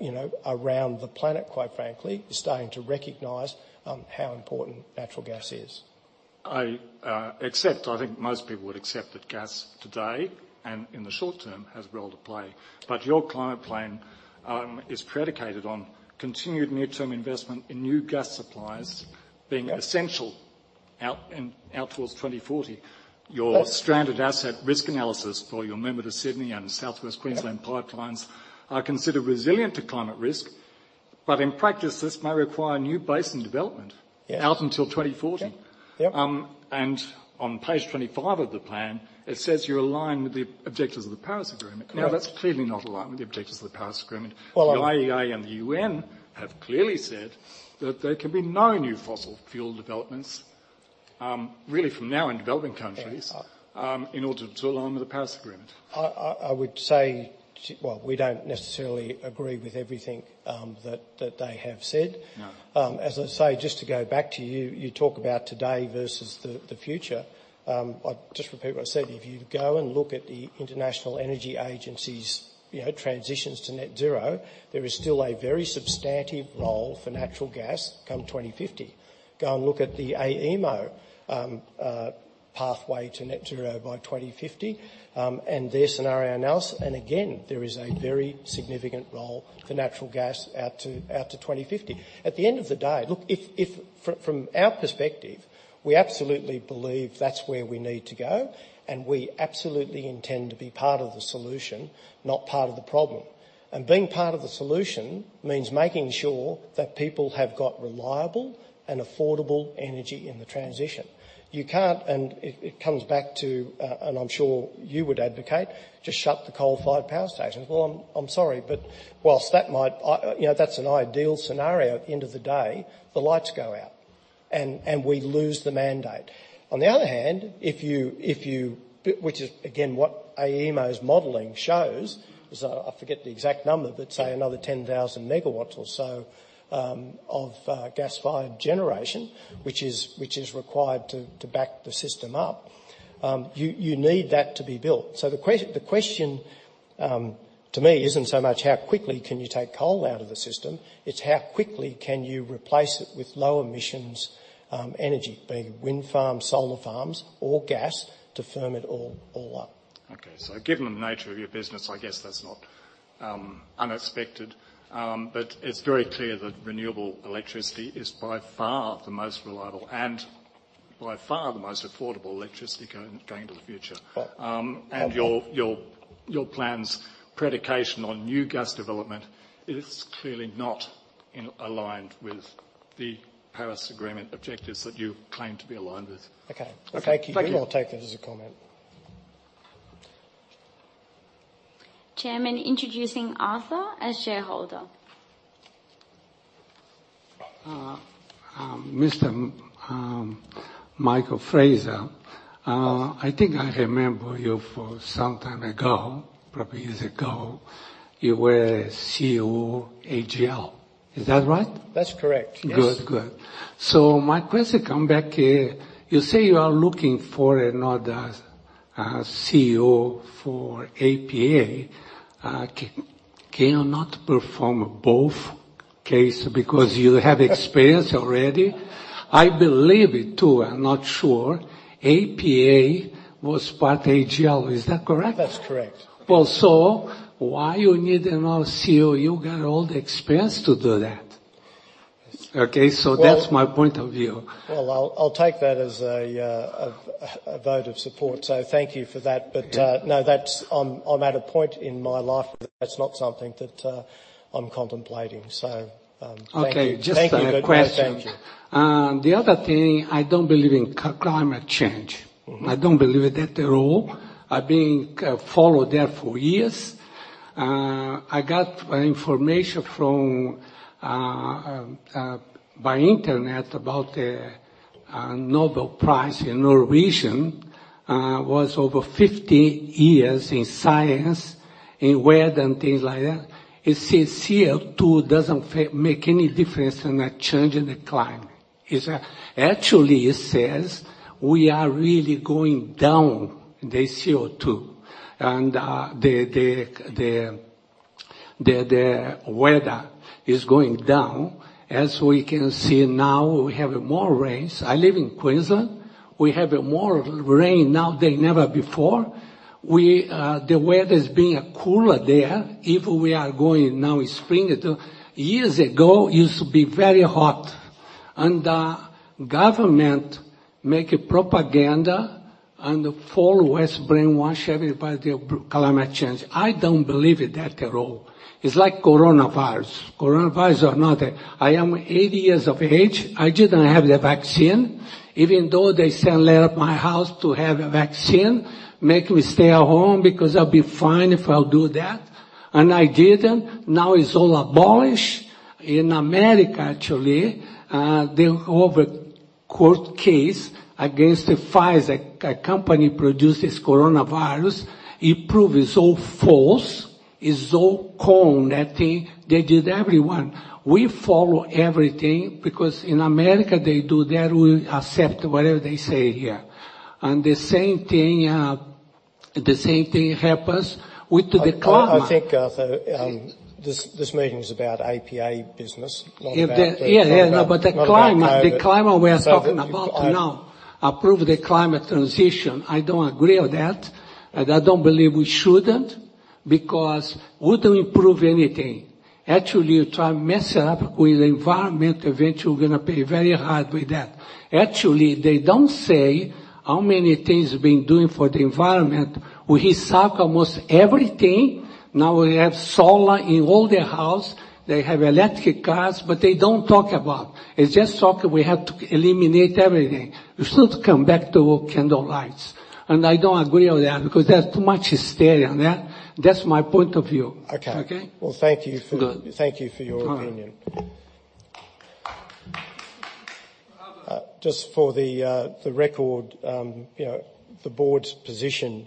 you know, around the planet, quite frankly, is starting to recognize how important natural gas is. I think most people would accept that gas today and in the short term has a role to play. Your climate plan is predicated on continued near-term investment in new gas supplies being- Yes Essential out towards 2040. Yes. Your stranded asset risk analysis for your Moomba to Sydney and southwest Queensland pipelines are considered resilient to climate risk. In practice, this may require new basin development- Yes out until 2040. Yep, yep. On page 25 of the plan, it says you're aligned with the objectives of the Paris Agreement. Correct. Now, that's clearly not aligned with the objectives of the Paris Agreement. Well. The IEA and the UN have clearly said that there can be no new fossil fuel developments, really from now in developing countries. Yeah. In order to align with the Paris Agreement. I would say well, we don't necessarily agree with everything that they have said. No. As I say, just to go back to you talk about today versus the future. I'll just repeat what I said. If you go and look at the International Energy Agency's, you know, transitions to net zero, there is still a very substantive role for natural gas come 2050. Go and look at the AEMO pathway to net zero by 2050, and their scenario analysis, and again, there is a very significant role for natural gas out to 2050. At the end of the day, look, from our perspective, we absolutely believe that's where we need to go, and we absolutely intend to be part of the solution, not part of the problem. Being part of the solution means making sure that people have got reliable and affordable energy in the transition. You can't, and it comes back to, and I'm sure you would advocate just shut the coal-fired power stations. Well, I'm sorry, but whilst that might, you know, that's an ideal scenario. At the end of the day, the lights go out and we lose the mandate. On the other hand, if you. Which is again what AEMO's modeling shows is, I forget the exact number, but say another 10,000 megawatts or so of gas-fired generation, which is required to back the system up. You need that to be built. The question to me isn't so much how quickly can you take coal out of the system, it's how quickly can you replace it with low emissions energy, be it wind farms, solar farms, or gas to firm it all up. Okay. Given the nature of your business, I guess that's not unexpected. It's very clear that renewable electricity is by far the most reliable and by far the most affordable electricity going into the future. But, um- Your plan's predicated on new gas development is clearly not aligned with the Paris Agreement objectives that you claim to be aligned with. Okay. Okay. Thank you. Thank you. We'll take that as a comment. Chairman, introducing Arthur as shareholder. Michael Fraser. Yes. I think I remember you from some time ago, probably years ago, you were CEO AGL. Is that right? That's correct. Yes. Good. Good. My question comes back here, you say you are looking for another CEO for APA. Can you not perform both cases because you have experience already? I believe it too. I'm not sure. APA was part AGL. Is that correct? That's correct. Well, why you need another CEO? You got all the experience to do that. Okay. Well- That's my point of view. Well, I'll take that as a vote of support. Thank you for that. Yeah. No, that's. I'm at a point in my life where that's not something that I'm contemplating. So, thank you. Okay. Just a question. Thank you. No, thank you. The other thing, I don't believe in climate change. Mm-hmm. I don't believe it at all. I've been follow that for years. I got information from by internet about a Nobel Prize in Norwegian. Was over 50 years in science, in weather and things like that. It says CO2 doesn't make any difference in the change in the climate. It's actually, it says we are really going down the CO2 and the weather is going down. As we can see now, we have more rains. I live in Queensland. We have more rain now than ever before. We the weather is being cooler there even we are going now in spring. Years ago, it used to be very hot. Government make a propaganda and follow west brainwash everybody of climate change. I don't believe in that at all. It's like coronavirus. Coronavirus or nothing, I am 80 years of age. I didn't have the vaccine, even though they send letter at my house to have a vaccine, make me stay at home because I'll be fine if I'll do that. I didn't. Now it's all abolished. In America actually, they have a court case against the Pfizer, a company produces coronavirus. It prove it's all false. It's all con, that thing. They did everyone. We follow everything because in America they do that, we accept whatever they say here. The same thing happens with the climate. I think, Arthur, this meeting is about APA business, not about. Yeah, no, but the climate. Not about, no the- The climate we are talking about now. Approve the climate transition. I don't agree on that. I don't believe we shouldn't because wouldn't improve anything. Actually, you try mess it up with environmental event, you're gonna pay very hard with that. Actually, they don't say how many things been doing for the environment. We recycle almost everything. Now we have solar in all the house. They have electric cars, but they don't talk about. It's just talk, we have to eliminate everything. We should come back to candle lights. I don't agree on that because there's too much hysteria on that. That's my point of view. Okay. Okay? Well, thank you for. It's good. Thank you for your opinion. Just for the record, you know, the board's position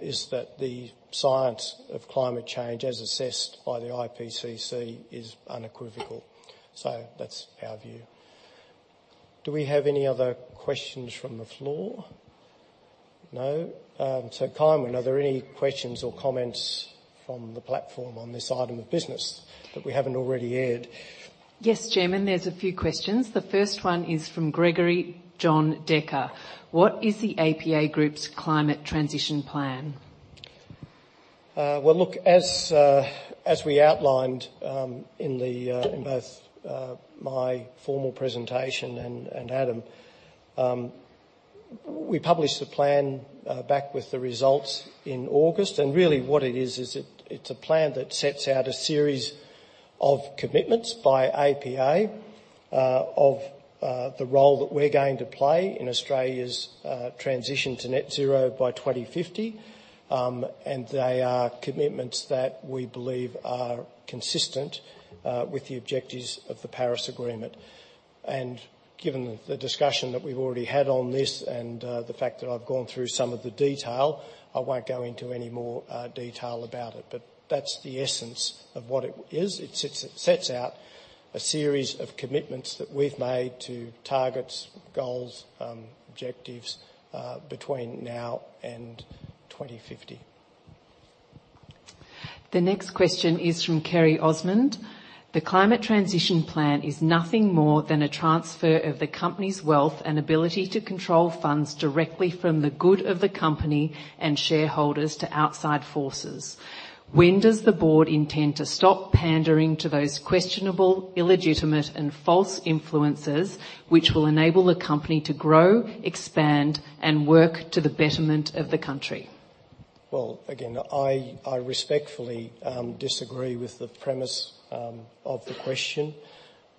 is that the science of climate change, as assessed by the IPCC, is unequivocal. That's our view. Do we have any other questions from the floor? No. Kynwynn, are there any questions or comments from the platform on this item of business that we haven't Already aired? Yes, Chairman, there's a few questions. The first one is from Gregory John Decker. What is the APA Group's climate transition plan? Well, look, as we outlined in both my formal presentation and Adam, we published the plan back with the results in August. Really what it is, it's a plan that sets out a series of commitments by APA of the role that we're going to play in Australia's transition to net zero by 2050. They are commitments that we believe are consistent with the objectives of the Paris Agreement. Given the discussion that we've already had on this and the fact that I've gone through some of the detail, I won't go into any more detail about it. That's the essence of what it is. It sets out a series of commitments that we've made to targets, goals, objectives, between now and 2050. The next question is from Kerry Osmond. The climate transition plan is nothing more than a transfer of the company's wealth and ability to control funds directly from the good of the company and shareholders to outside forces. When does the board intend to stop pandering to those questionable, illegitimate, and false influences which will enable the company to grow, expand, and work to the betterment of the country? Well, again, I respectfully disagree with the premise of the question.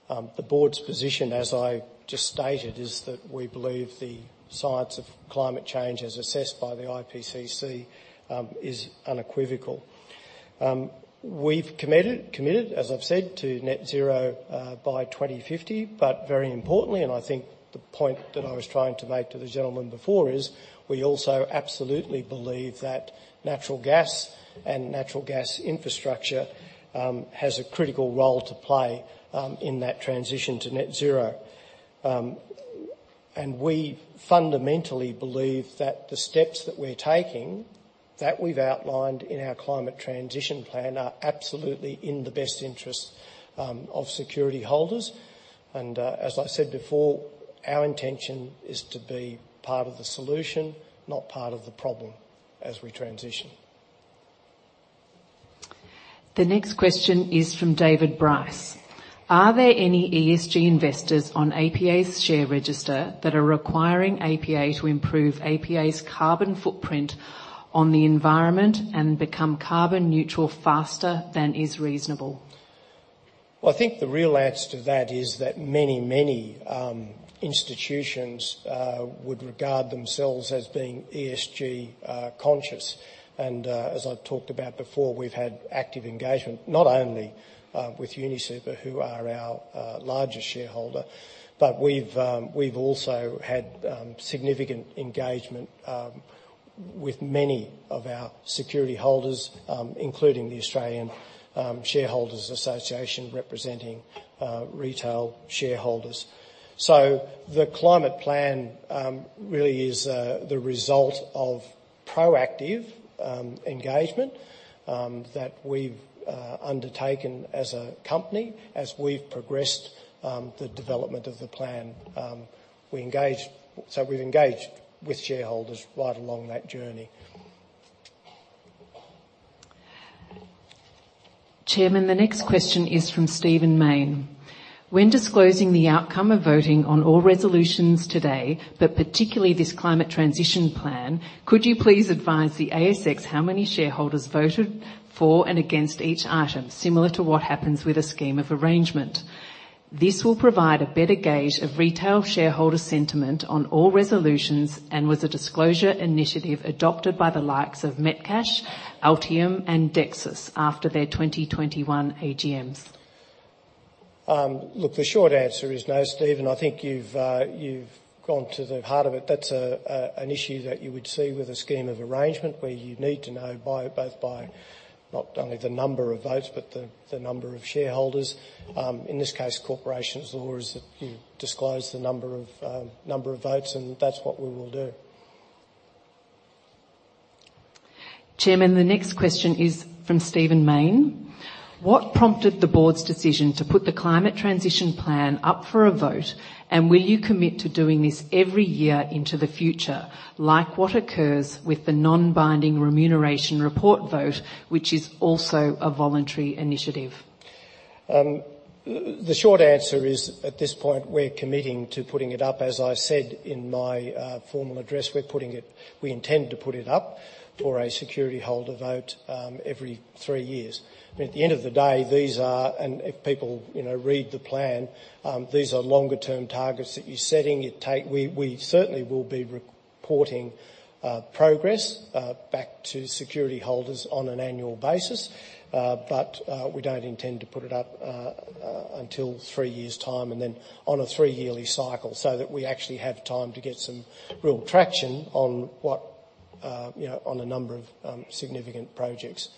The board's position, as I just stated, is that we believe the science of climate change, as assessed by the IPCC, is unequivocal. We've committed, as I've said, to net zero by 2050. Very importantly, I think the point that I was trying to make to the gentleman before is, we also absolutely believe that natural gas and natural gas infrastructure has a critical role to play in that transition to net zero. We fundamentally believe that the steps that we're taking, that we've outlined in our climate transition plan, are absolutely in the best interest of security holders. As I said before, our intention is to be part of the solution, not part of the problem as we transition. The next question is from David Bryce. Are there any ESG investors on APA's share register that are requiring APA to improve APA's carbon footprint on the environment and become carbon neutral faster than is reasonable? Well, I think the real answer to that is that many institutions would regard themselves as being ESG conscious. As I've talked about before, we've had active engagement, not only with UniSuper, who are our largest shareholder, but we've also had significant engagement with many of our security holders, including the Australian Shareholders' Association, representing retail shareholders. The climate plan really is the result of proactive engagement that we've undertaken as a company as we've progressed the development of the plan. We've engaged with shareholders right along that journey. Chairman, the next question is from Steven Main. When disclosing the outcome of voting on all resolutions today, but particularly this climate transition plan, could you please advise the ASX how many shareholders voted for and against each item, similar to what happens with a scheme of arrangement? This will provide a better gauge of retail shareholder sentiment on all resolutions, and was a disclosure initiative adopted by the likes of Metcash, Altium, and Dexus after their 2021 AGMs. Look, the short answer is no, Steven. I think you've gone to the heart of it. That's an issue that you would see with a scheme of arrangement where you need to know not only by the number of votes, but by the number of shareholders. In this case, under the Corporations Act, you disclose the number of votes, and that's what we will do. Chairman, the next question is from Steven Main. What prompted the board's decision to put the climate transition plan up for a vote? Will you commit to doing this every year into the future, like what occurs with the non-binding remuneration report vote, which is also a voluntary initiative? The short answer is, at this point, we're committing to putting it up. As I said in my formal address, we intend to put it up for a security holder vote every three years. At the end of the day, and if people, you know, read the plan, these are longer-term targets that you're setting. We certainly will be reporting progress back to security holders on an annual basis. We don't intend to put it up until three years' time, and then on a three-yearly cycle, so that we actually have time to get some real traction on what, you know, on a number of significant projects.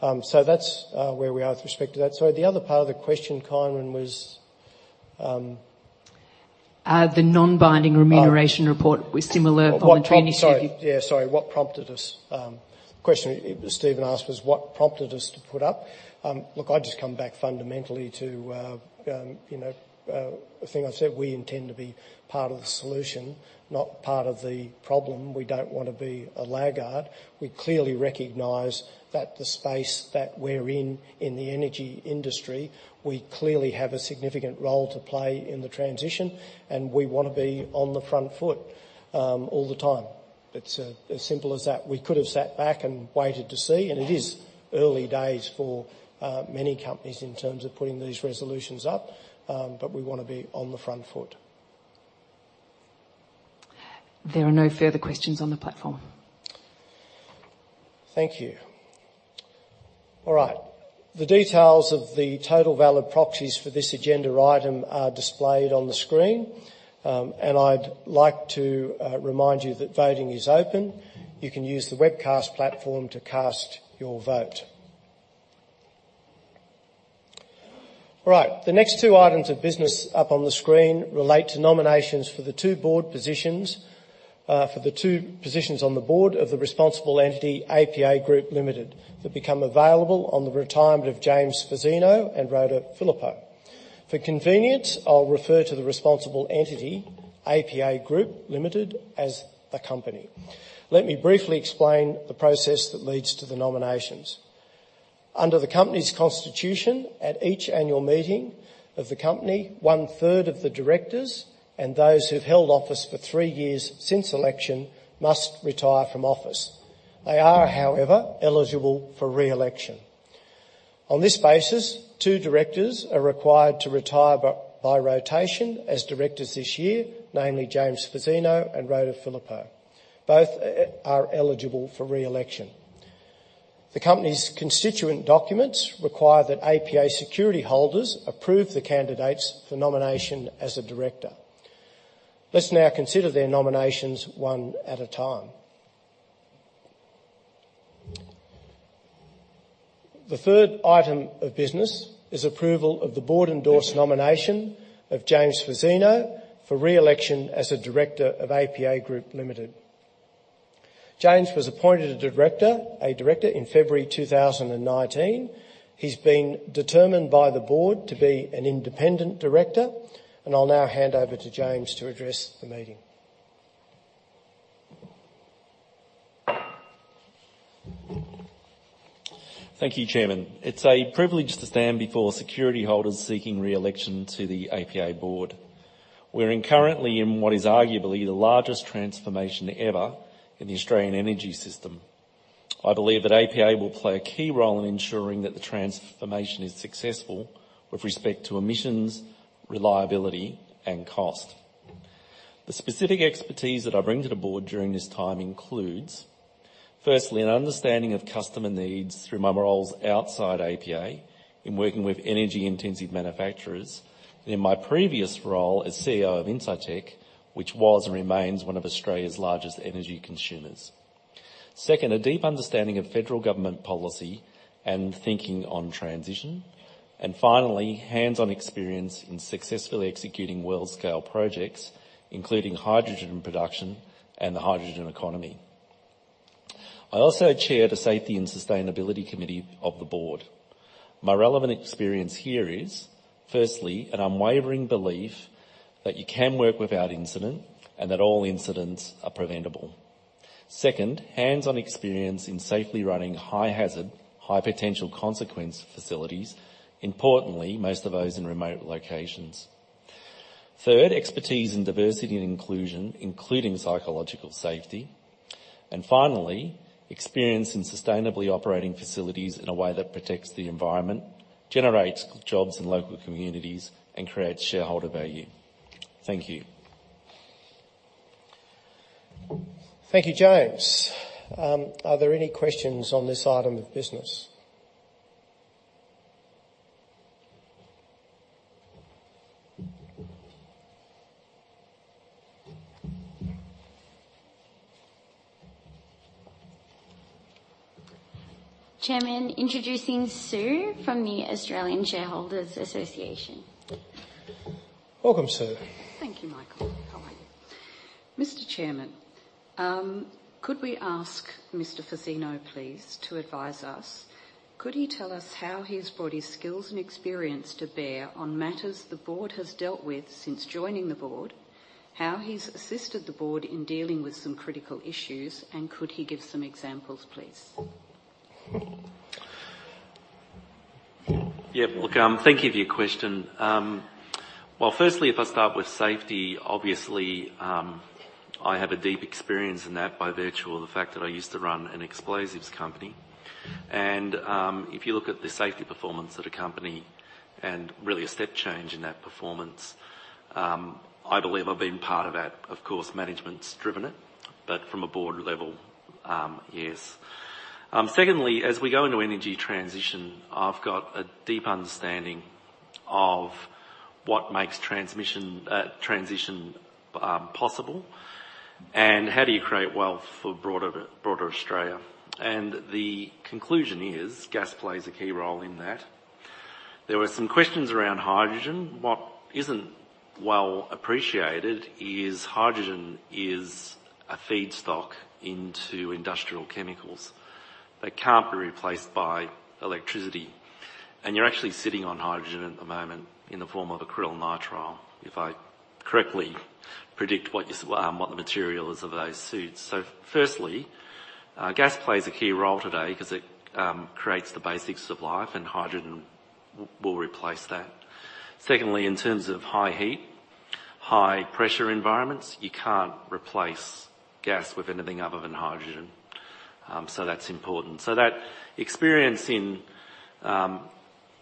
That's where we are with respect to that. Sorry, the other part of the question, Kynwynn, was, The non-binding Oh. Remuneration report with similar voluntary initiative. What prompted us? The question Steven asked was what prompted us to put up? Look, I just come back fundamentally to, you know, the thing I said, we intend to be part of the solution, not part of the problem. We don't wanna be a laggard. We clearly recognize that the space that we're in the energy industry, we clearly have a significant role to play in the transition, and we wanna be on the front foot, all the time. It's, as simple as that. We could have sat back and waited to see, and it is early days for, many companies in terms of putting these resolutions up. We wanna be on the front foot. There are no further questions on the platform. Thank you. All right. The details of the total valid proxies for this agenda item are displayed on the screen, and I'd like to remind you that voting is open. You can use the webcast platform to cast your vote. Right. The next two items of business up on the screen relate to nominations for the two board positions, for the two positions on the board of the responsible entity, APA Group Limited, that become available on the retirement of James Fazzino and Rhoda Phillippo. For convenience, I'll refer to the responsible entity, APA Group Limited, as the company. Let me briefly explain the process that leads to the nominations. Under the company's constitution, at each annual meeting of the company, one-third of the directors and those who've held office for three years since election must retire from office. They are, however, eligible for re-election. On this basis, two directors are required to retire by rotation as directors this year, namely James Fazzino and Rhoda Phillippo. Both are eligible for re-election. The company's constituent documents require that APA security holders approve the candidates for nomination as a director. Let's now consider their nominations one at a time. The third item of business is approval of the board-endorsed nomination of James Fazzino for re-election as a director of APA Group Limited. James was appointed a director in February 2019. He's been determined by the board to be an independent director, and I'll now hand over to James to address the meeting. Thank you, Chairman. It's a privilege to stand before security holders seeking re-election to the APA board. We're currently in what is arguably the largest transformation ever in the Australian energy system. I believe that APA will play a key role in ensuring that the transformation is successful with respect to emissions, reliability, and cost. The specific expertise that I bring to the board during this time includes, firstly, an understanding of customer needs through my roles outside APA in working with energy-intensive manufacturers, and in my previous role as CEO of Incitec, which was and remains one of Australia's largest energy consumers. Second, a deep understanding of federal government policy and thinking on transition. Finally, hands-on experience in successfully executing world-scale projects, including hydrogen production and the hydrogen economy. I also chaired a safety and sustainability committee of the board. My relevant experience here is, firstly, an unwavering belief that you can work without incident and that all incidents are preventable. Second, hands-on experience in safely running high hazard, high potential consequence facilities, importantly, most of those in remote locations. Third, expertise in diversity and inclusion, including psychological safety. Finally, experience in sustainably operating facilities in a way that protects the environment, generates jobs in local communities, and creates shareholder value. Thank you. Thank you, James. Are there any questions on this item of business? Chairman, introducing Sue from the Australian Shareholders' Association. Welcome, Sue. Thank you, Michael. How are you? Mr. Chairman, could we ask Mr. Fazzino please to advise us, could he tell us how he's brought his skills and experience to bear on matters the board has dealt with since joining the board, how he's assisted the board in dealing with some critical issues, and could he give some examples, please? Yeah. Look, thank you for your question. Well, firstly, if I start with safety, obviously, I have a deep experience in that by virtue of the fact that I used to run an explosives company. If you look at the safety performance at a company and really a step change in that performance, I believe I've been part of that. Of course, management's driven it, but from a board level, yes. Secondly, as we go into energy transition, I've got a deep understanding of what makes transition possible and how do you create wealth for broader Australia. The conclusion is gas plays a key role in that. There were some questions around hydrogen. What isn't well appreciated is hydrogen is a feedstock into industrial chemicals that can't be replaced by electricity. You're actually sitting on hydrogen at the moment in the form of acrylonitrile, if I correctly predict what the material is of those suits. Firstly, gas plays a key role today 'cause it creates the basics of life, and hydrogen will replace that. Secondly, in terms of high heat, high pressure environments, you can't replace gas with anything other than hydrogen. So that's important. That experience in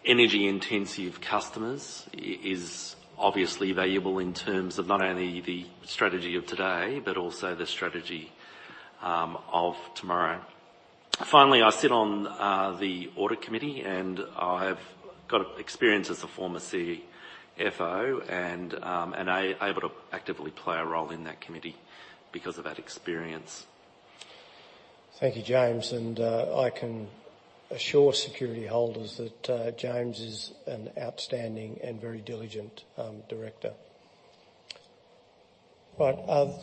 energy-intensive customers is obviously valuable in terms of not only the strategy of today, but also the strategy of tomorrow. Finally, I sit on the audit committee, and I've got experience as a former CFO and I'm able to actively play a role in that committee because of that experience. Thank you, James. I can assure security holders that James is an outstanding and very diligent director. Right.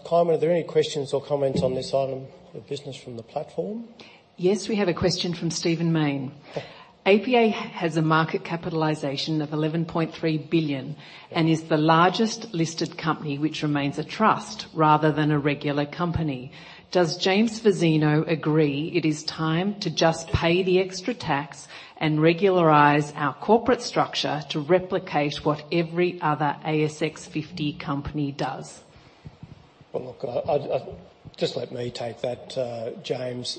Kynwynn, are there any questions or comments on this item of business from the platform? Yes, we have a question from Stephen Mayne. Okay. APA has a market capitalization of 11.3 billion and is the largest listed company which remains a trust rather than a regular company. Does James Fazzino agree it is time to just pay the extra tax and regularize our corporate structure to replicate what every other ASX 50 company does? Well, look, just let me take that, James.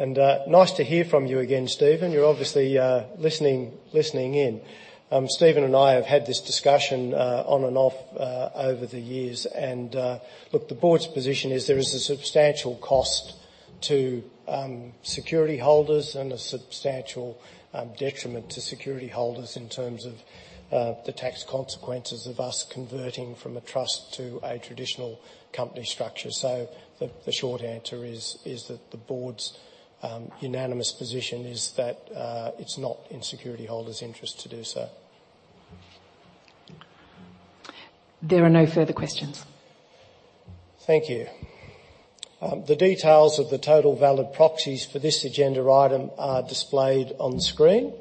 Nice to hear from you again, Steven. You're obviously listening in. Steven and I have had this discussion on and off over the years. Look, the board's position is there is a substantial cost to security holders and a substantial detriment to security holders in terms of the tax consequences of us converting from a trust to a traditional company structure. The short answer is that the board's unanimous position is that it's not in security holders' interest to do so. There are no further questions. Thank you. The details of the total valid proxies for this agenda item are displayed on screen.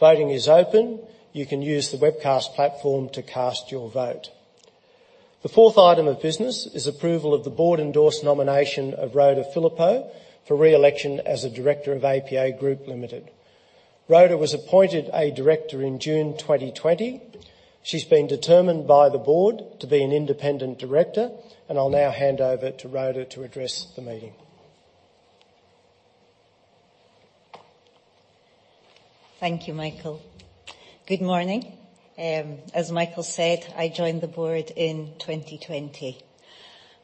Voting is open. You can use the webcast platform to cast your vote. The fourth item of business is approval of the board-endorsed nomination of Rhoda Phillippo for re-election as a director of APA Group Limited. Rhoda Phillippo was appointed a director in June 2020. She's been determined by the board to be an independent director, and I'll now hand over to Rhoda Phillippo to address the meeting. Thank you, Michael. Good morning. As Michael said, I joined the board in 2020.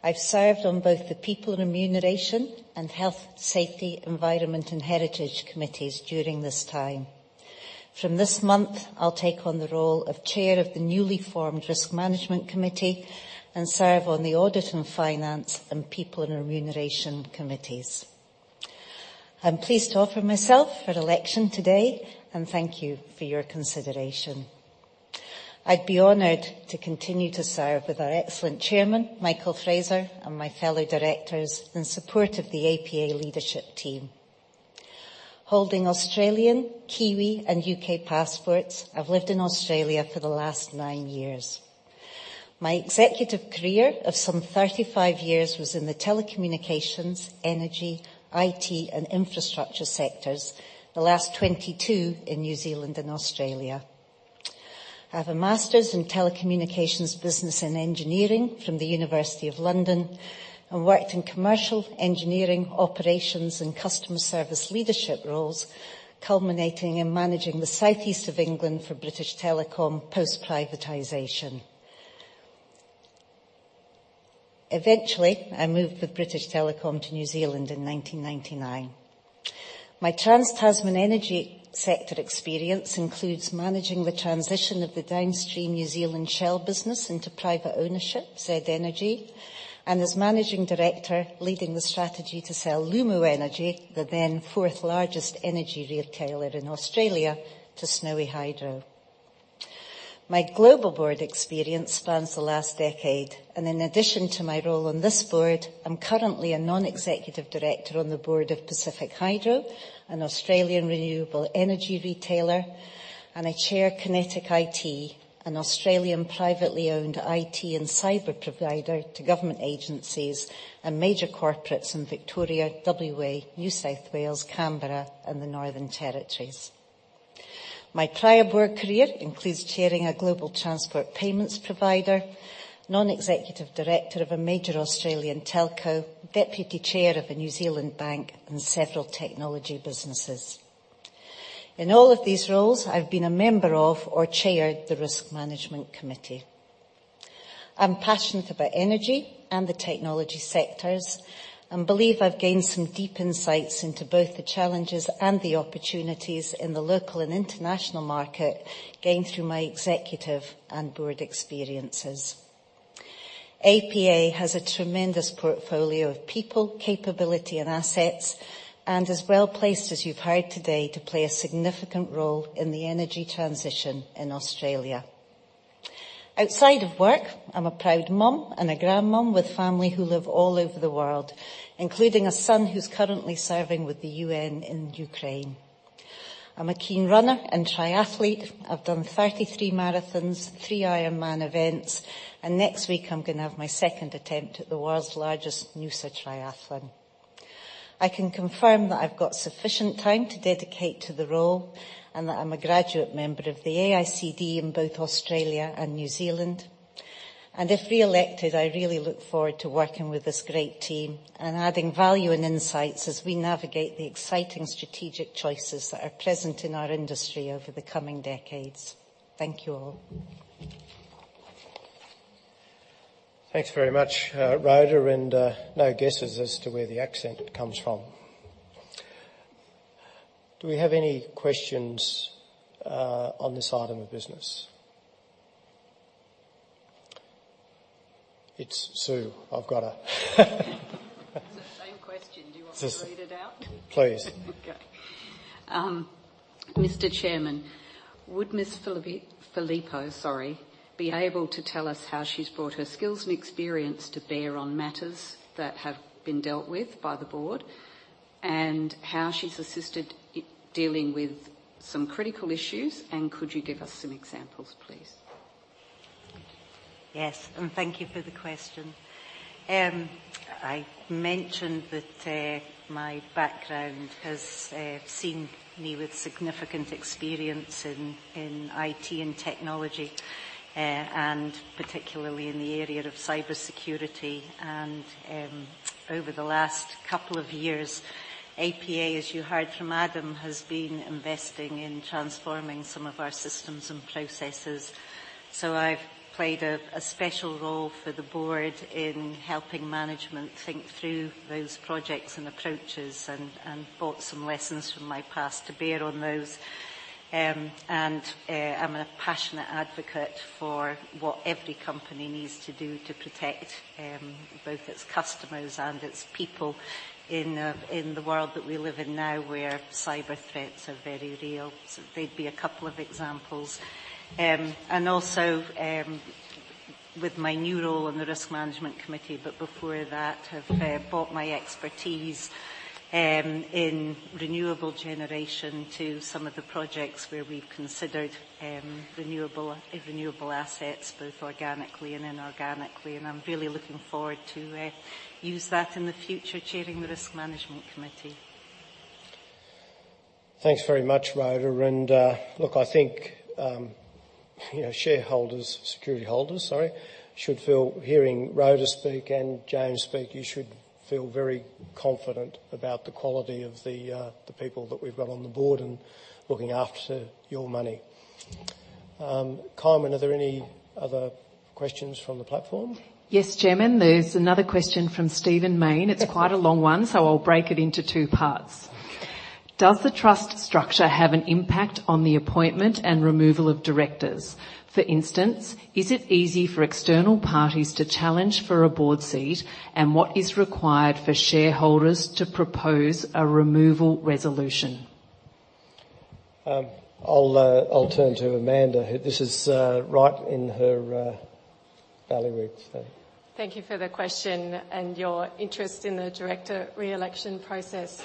I've served on both the People and Remuneration and Health, Safety, Environment, and Heritage committees during this time. From this month, I'll take on the role of Chair of the newly formed Risk Management committee and serve on the Audit and Finance and People and Remuneration committees. I'm pleased to offer myself for election today, and thank you for your consideration. I'd be honored to continue to serve with our excellent chairman, Michael Fraser, and my fellow directors in support of the APA leadership team. Holding Australian, Kiwi, and U.K. passports, I've lived in Australia for the last nine years. My executive career of some 35 years was in the telecommunications, energy, I.T., and infrastructure sectors, the last 22 in New Zealand and Australia. I have a master's in telecommunications business and engineering from the University of London, and worked in commercial engineering, operations, and customer service leadership roles, culminating in managing the Southeast of England for British Telecom post-privatization. Eventually, I moved with British Telecom to New Zealand in 1999. My TransTasman energy sector experience includes managing the transition of the downstream New Zealand Shell business into private ownership, Z Energy, and as managing director, leading the strategy to sell Lumo Energy, the then fourth-largest energy retailer in Australia to Snowy Hydro. My global board experience spans the last decade, and in addition to my role on this board, I'm currently a non-executive director on the board of Pacific Hydro, an Australian renewable energy retailer, and I chair Kinetic IT, an Australian privately owned IT and cyber provider to government agencies and major corporates in Victoria, WA, New South Wales, Canberra, and the Northern Territory. My prior board career includes chairing a global transport payments provider, non-executive director of a major Australian telco, deputy chair of a New Zealand bank, and several technology businesses. In all of these roles, I've been a member of or chaired the risk management committee. I'm passionate about energy and the technology sectors, and believe I've gained some deep insights into both the challenges and the opportunities in the local and international market gained through my executive and board experiences. APA has a tremendous portfolio of people, capability, and assets, and is well-placed, as you've heard today, to play a significant role in the energy transition in Australia. Outside of work, I'm a proud mom and a grandma with family who live all over the world, including a son who's currently serving with the UN in Ukraine. I'm a keen runner and triathlete. I've done 33 marathons, three Ironman events, and next week I'm gonna have my second attempt at the world's largest Noosa Triathlon. I can confirm that I've got sufficient time to dedicate to the role, and that I'm a graduate member of the AICD in both Australia and New Zealand. If reelected, I really look forward to working with this great team and adding value and insights as we navigate the exciting strategic choices that are present in our industry over the coming decades. Thank you all. Thanks very much, Rhoda. No guesses as to where the accent comes from. Do we have any questions on this item of business? It's Sue. I've gotta It's the same question. Do you want me to read it out? Please. Mr. Chairman, would Ms. Phillippo be able to tell us how she's brought her skills and experience to bear on matters that have been dealt with by the board, and how she's assisted in dealing with some critical issues, and could you give us some examples, please? Yes, thank you for the question. I mentioned that my background has seen me with significant experience in IT and technology, and particularly in the area of cybersecurity. Over the last couple of years, APA, as you heard from Adam, has been investing in transforming some of our systems and processes. I've played a special role for the board in helping management think through those projects and approaches and brought some lessons from my past to bear on those. I'm a passionate advocate for what every company needs to do to protect both its customers and its people in the world that we live in now, where cyber threats are very real. They'd be a couple of examples. With my new role on the risk management committee, but before that, have brought my expertise in renewable generation to some of the projects where we've considered renewable assets, both organically and inorganically, and I'm really looking forward to use that in the future, chairing the risk management committee. Thanks very much, Rhoda. Look, I think, you know, shareholders, security holders, sorry, should feel hearing Rhoda speak and James speak. You should feel very confident about the quality of the people that we've got on the board and looking after your money. Kynwynn, are there any other questions from the platform? Yes, Chairman, there's another question from Steven Main. Yes. It's quite a long one, so I'll break it into two parts. Does the trust structure have an impact on the appointment and removal of directors? For instance, is it easy for external parties to challenge for a board seat, and what is required for shareholders to propose a removal resolution? I'll turn to Amanda. This is right in her valley roots, so. Thank you for the question and your interest in the director re-election process.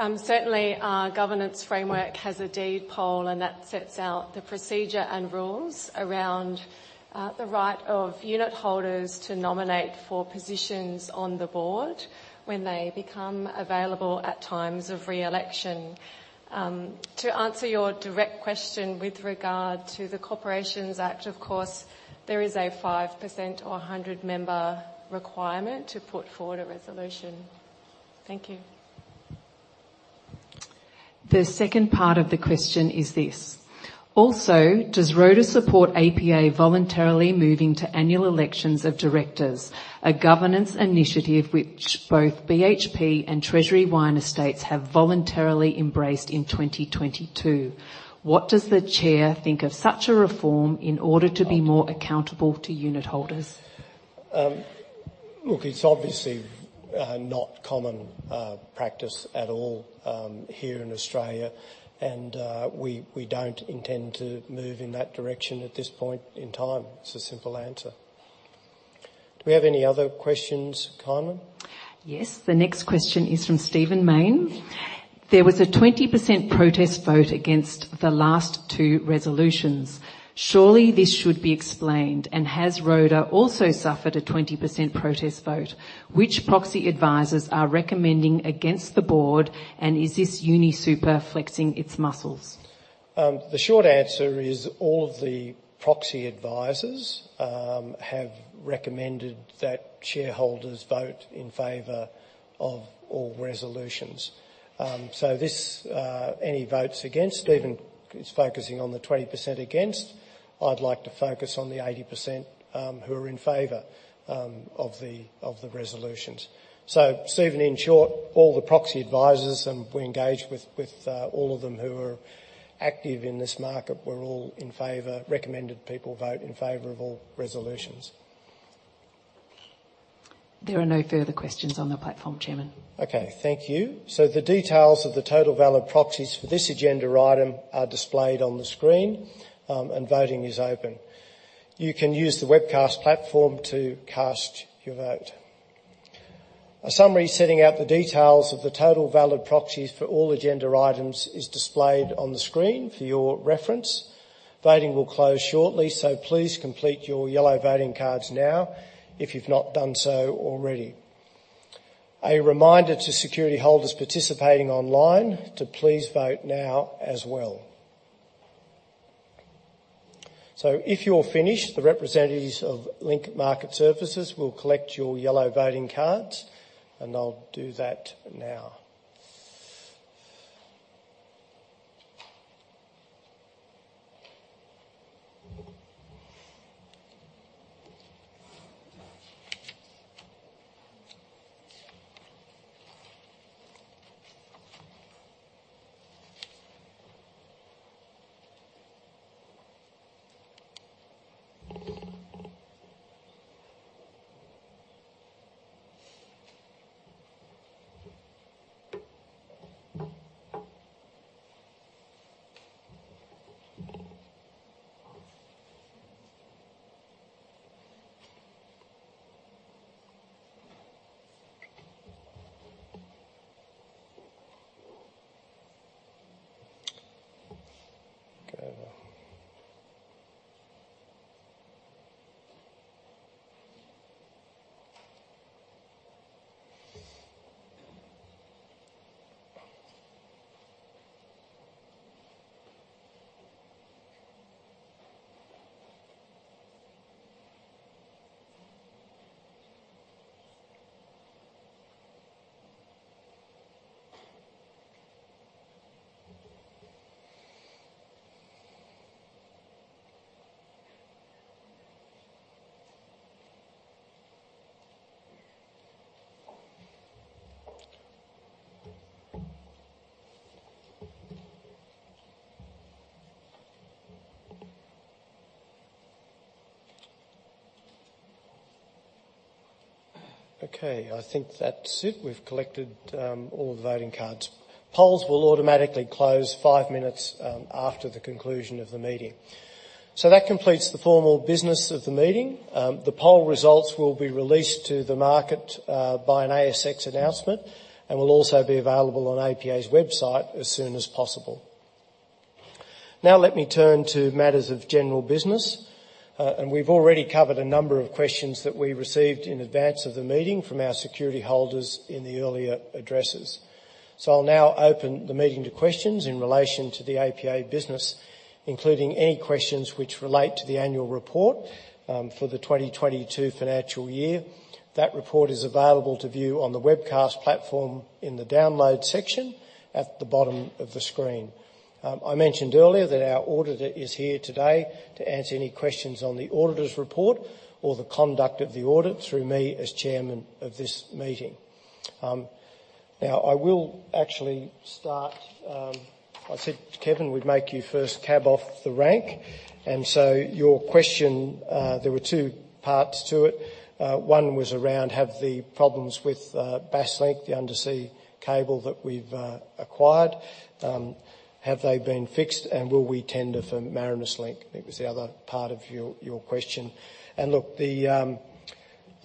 Certainly, our governance framework has a deed poll, and that sets out the procedure and rules around the right of unit holders to nominate for positions on the board when they become available at times of re-election. To answer your direct question with regard to the Corporations Act, of course, there is a 5% or a 100-member requirement to put forward a resolution. Thank you. The second part of the question is this. Also, does Rhoda Phillippo support APA voluntarily moving to annual elections of directors, a governance initiative which both BHP and Treasury Wine Estates have voluntarily embraced in 2022? What does the chair think of such a reform in order to be more accountable to unit holders? Look, it's obviously not common practice at all here in Australia and we don't intend to move in that direction at this point in time. It's a simple answer. Do we have any other questions, Kynwynn Strong? Yes. The next question is from Stephen Mayne. There was a 20% protest vote against the last two resolutions. Surely this should be explained, and has Rhoda Phillippo also suffered a 20% protest vote? Which proxy advisors are recommending against the board, and is this UniSuper flexing its muscles? The short answer is all of the proxy advisors have recommended that shareholders vote in favor of all resolutions. Any votes against, Stephen is focusing on the 20% against. I'd like to focus on the 80%, who are in favor of the resolutions. Stephen, in short, all the proxy advisors, and we engage with all of them who are active in this market, were all in favor, recommended people vote in favor of all resolutions. There are no further questions on the platform, Chairman. Okay. Thank you. The details of the total valid proxies for this agenda item are displayed on the screen, and voting is open. You can use the webcast platform to cast your vote. A summary setting out the details of the total valid proxies for all agenda items is displayed on the screen for your reference. Voting will close shortly, so please complete your yellow voting cards now if you've not done so already. A reminder to security holders participating online to please vote now as well. If you're finished, the representatives of Link Market Services will collect your yellow voting cards, and they'll do that now. Okay. Okay, I think that's it. We've collected all the voting cards. Polls will automatically close five minutes after the conclusion of the meeting. That completes the formal business of the meeting. The poll results will be released to the market by an ASX announcement and will also be available on APA's website as soon as possible. Now let me turn to matters of general business. We've already covered a number of questions that we received in advance of the meeting from our security holders in the earlier addresses. I'll now open the meeting to questions in relation to the APA business, including any questions which relate to the annual report for the 2022 financial year. That report is available to view on the webcast platform in the Download section at the bottom of the screen. I mentioned earlier that our auditor is here today to answer any questions on the auditor's report or the conduct of the audit through me as chairman of this meeting. Now I will actually start. I said, Kevin, we'd make you first cab off the rank, and so your question, there were two parts to it. One was around have the problems with Basslink, the undersea cable that we've acquired, have they been fixed and will we tender for Marinus Link, I think was the other part of your question. Look, the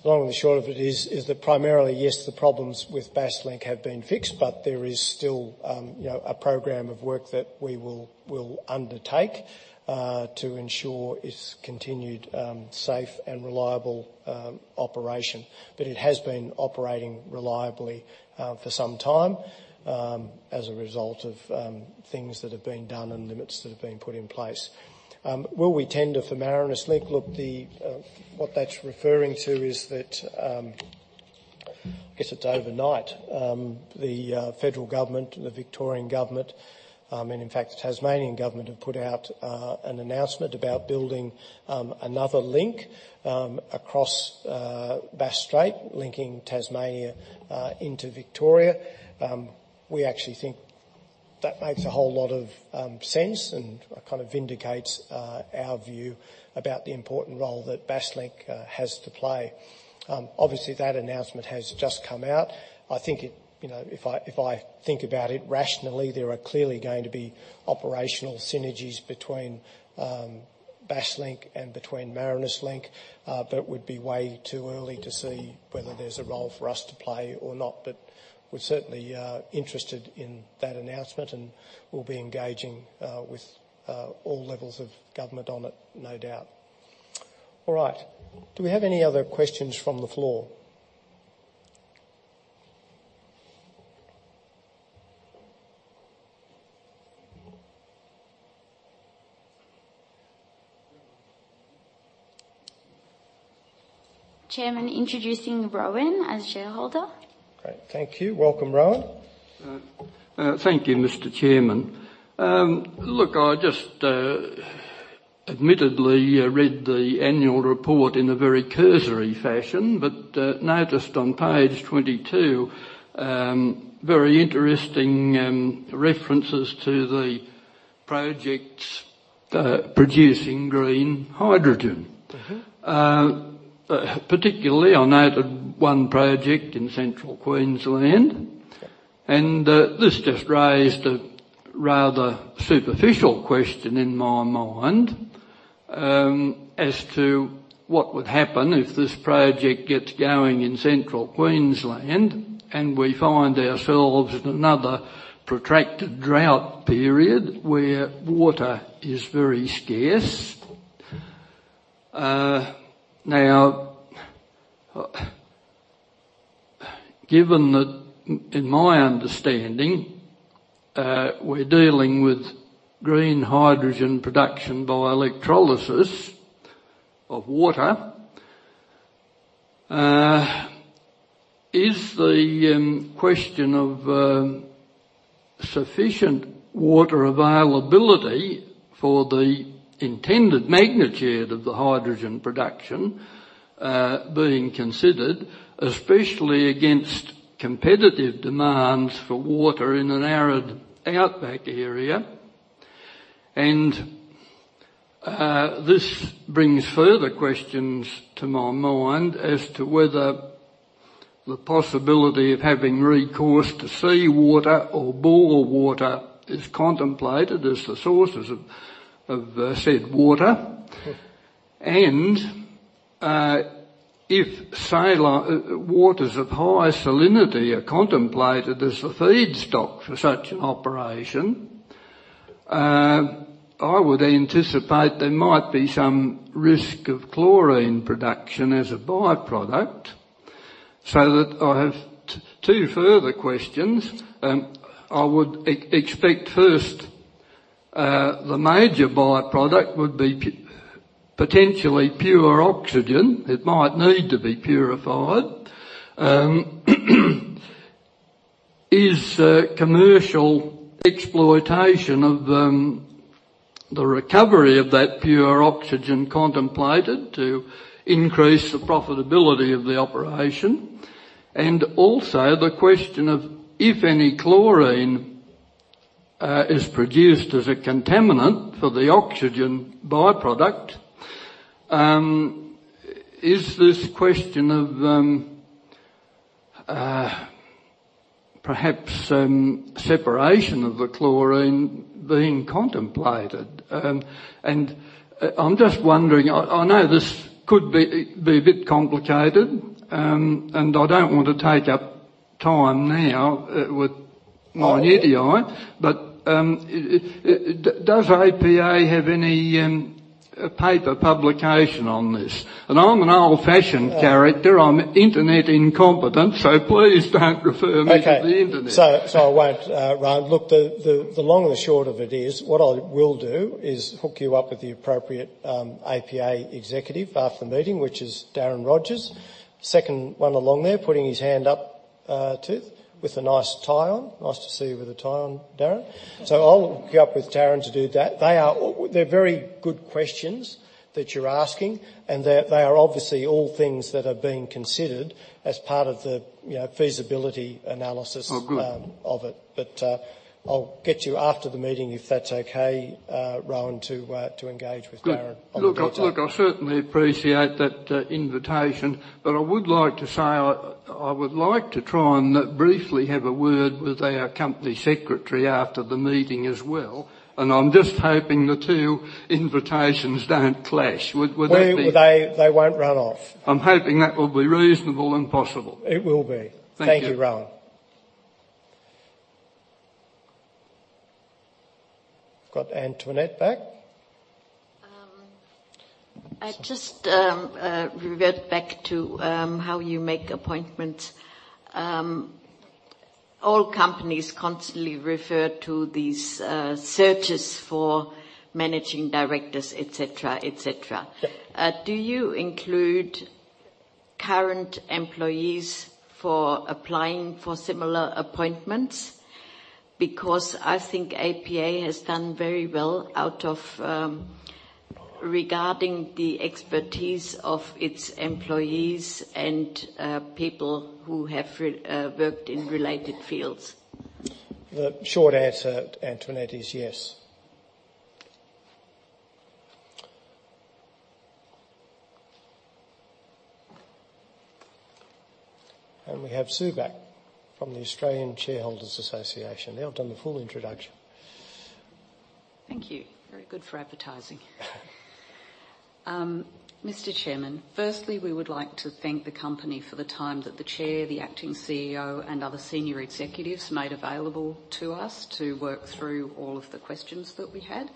long and short of it is that primarily, yes, the problems with Basslink have been fixed, but there is still, you know, a program of work that we will undertake to ensure its continued safe and reliable operation. It has been operating reliably for some time as a result of things that have been done and limits that have been put in place. Will we tender for Marinus Link? Look, what that's referring to is that I guess it's overnight the Federal Government and the Victorian Government and in fact the Tasmanian Government have put out an announcement about building another link across Bass Strait linking Tasmania into Victoria. We actually think that makes a whole lot of sense and kind of vindicates our view about the important role that Basslink has to play. Obviously, that announcement has just come out. I think it, you know, if I think about it rationally, there are clearly going to be operational synergies between Basslink and Marinus Link. It would be way too early to see whether there's a role for us to play or not. We're certainly interested in that announcement, and we'll be engaging with all levels of government on it, no doubt. All right. Do we have any other questions from the floor? Chairman introducing Rowan as shareholder. Great. Thank you. Welcome, Rowan. Thank you, Mr. Chairman. Look, I just admittedly read the annual report in a very cursory fashion, but noticed on page 22 very interesting references to the projects producing green hydrogen. Mm-hmm. Particularly, I noted one project in Central Queensland, and this just raised a rather superficial question in my mind, as to what would happen if this project gets going in Central Queensland, and we find ourselves in another protracted drought period where water is very scarce. Now, given that in my understanding, we're dealing with green hydrogen production by electrolysis of water, is the question of sufficient water availability for the intended magnitude of the hydrogen production being considered, especially against competitive demands for water in an arid outback area? This brings further questions to my mind as to whether the possibility of having recourse to seawater or bore water is contemplated as the sources of said water. If saline waters of high salinity are contemplated as the feedstock for such operation, I would anticipate there might be some risk of chlorine production as a by-product. I have two further questions. I would expect first, the major by-product would be potentially pure oxygen. It might need to be purified. Is commercial exploitation of the recovery of that pure oxygen contemplated to increase the profitability of the operation? And also the question of if any chlorine is produced as a contaminant for the oxygen by-product, is this question of perhaps separation of the chlorine being contemplated? I'm just wondering, I know this could be a bit complicated, and I don't want to take up time now with my nitty-gritty. Does APA have any paper publication on this? I'm an old-fashioned character. I'm internet incompetent, so please don't refer me to the internet. Okay. I won't, Rowan. Look, the long and short of it is, what I will do is hook you up with the appropriate APA executive after the meeting, which is Darren Rogers. Second one along there, putting his hand up, too, with a nice tie on. Nice to see you with a tie on, Darren. I'll hook you up with Darren to do that. They're very good questions that you're asking, and they are obviously all things that are being considered as part of the, you know, feasibility analysis. Oh, good. of it. I'll get you after the meeting, if that's okay, Rowan, to engage with Darren on the detail. Good. Look, I certainly appreciate that, invitation, but I would like to say I would like to try and briefly have a word with our company secretary after the meeting as well, and I'm just hoping the two invitations don't clash. Would that be- Well, they won't run off. I'm hoping that will be reasonable and possible. It will be. Thank you. Thank you, Rowan. I've got Antoinette back. I just revert back to how you make appointments. All companies constantly refer to these searches for managing directors, et cetera, et cetera. Yes. Do you include current employees for applying for similar appointments? Because I think APA has done very well out of, regarding the expertise of its employees and, people who have worked in related fields. The short answer, Antoinette, is yes. We have Sue back from the Australian Shareholders' Association. Now I've done the full introduction. Thank you. Very good for advertising. Mr. Chairman, firstly, we would like to thank the company for the time that the chair, the acting CEO, and other senior executives made available to us to work through all of the questions that we had.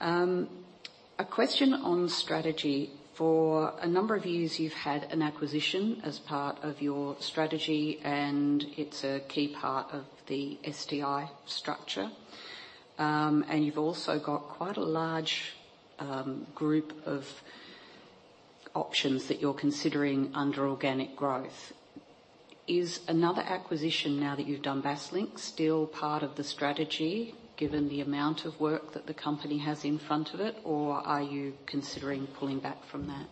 A question on strategy. For a number of years, you've had an acquisition as part of your strategy, and it's a key part of the STI structure. You've also got quite a large group of options that you're considering under organic growth. Is another acquisition, now that you've done Basslink, still part of the strategy, given the amount of work that the company has in front of it, or are you considering pulling back from that?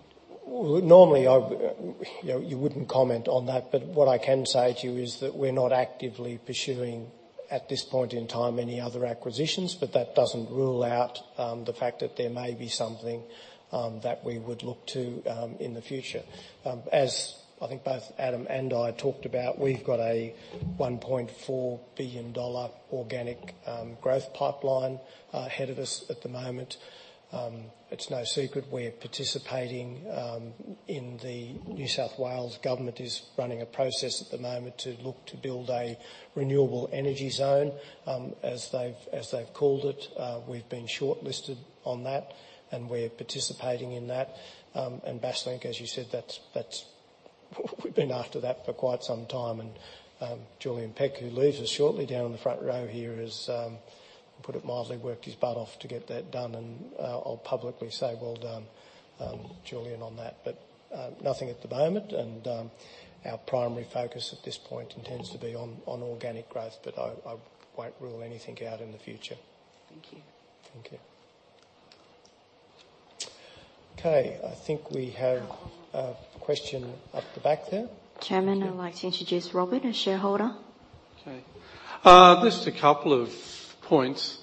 Well, normally, you know, you wouldn't comment on that, but what I can say to you is that we're not actively pursuing, at this point in time, any other acquisitions. That doesn't rule out the fact that there may be something that we would look to in the future. As I think both Adam and I talked about, we've got a 1.4 billion dollar organic growth pipeline ahead of us at the moment. It's no secret we're participating in the New South Wales government is running a process at the moment to look to build a renewable energy zone, as they've called it. We've been shortlisted on that, and we're participating in that. Basslink, as you said, that's. We've been after that for quite some time. Julian Peck, who leaves us shortly, down in the front row here, has put it mildly, worked his butt off to get that done, and I'll publicly say well done, Julian, on that. Nothing at the moment, and our primary focus at this point intends to be on organic growth, but I won't rule anything out in the future. Thank you. Thank you. Okay, I think we have a question up the back there. Chairman, I'd like to introduce Robert, a shareholder. Okay. Just a couple of points.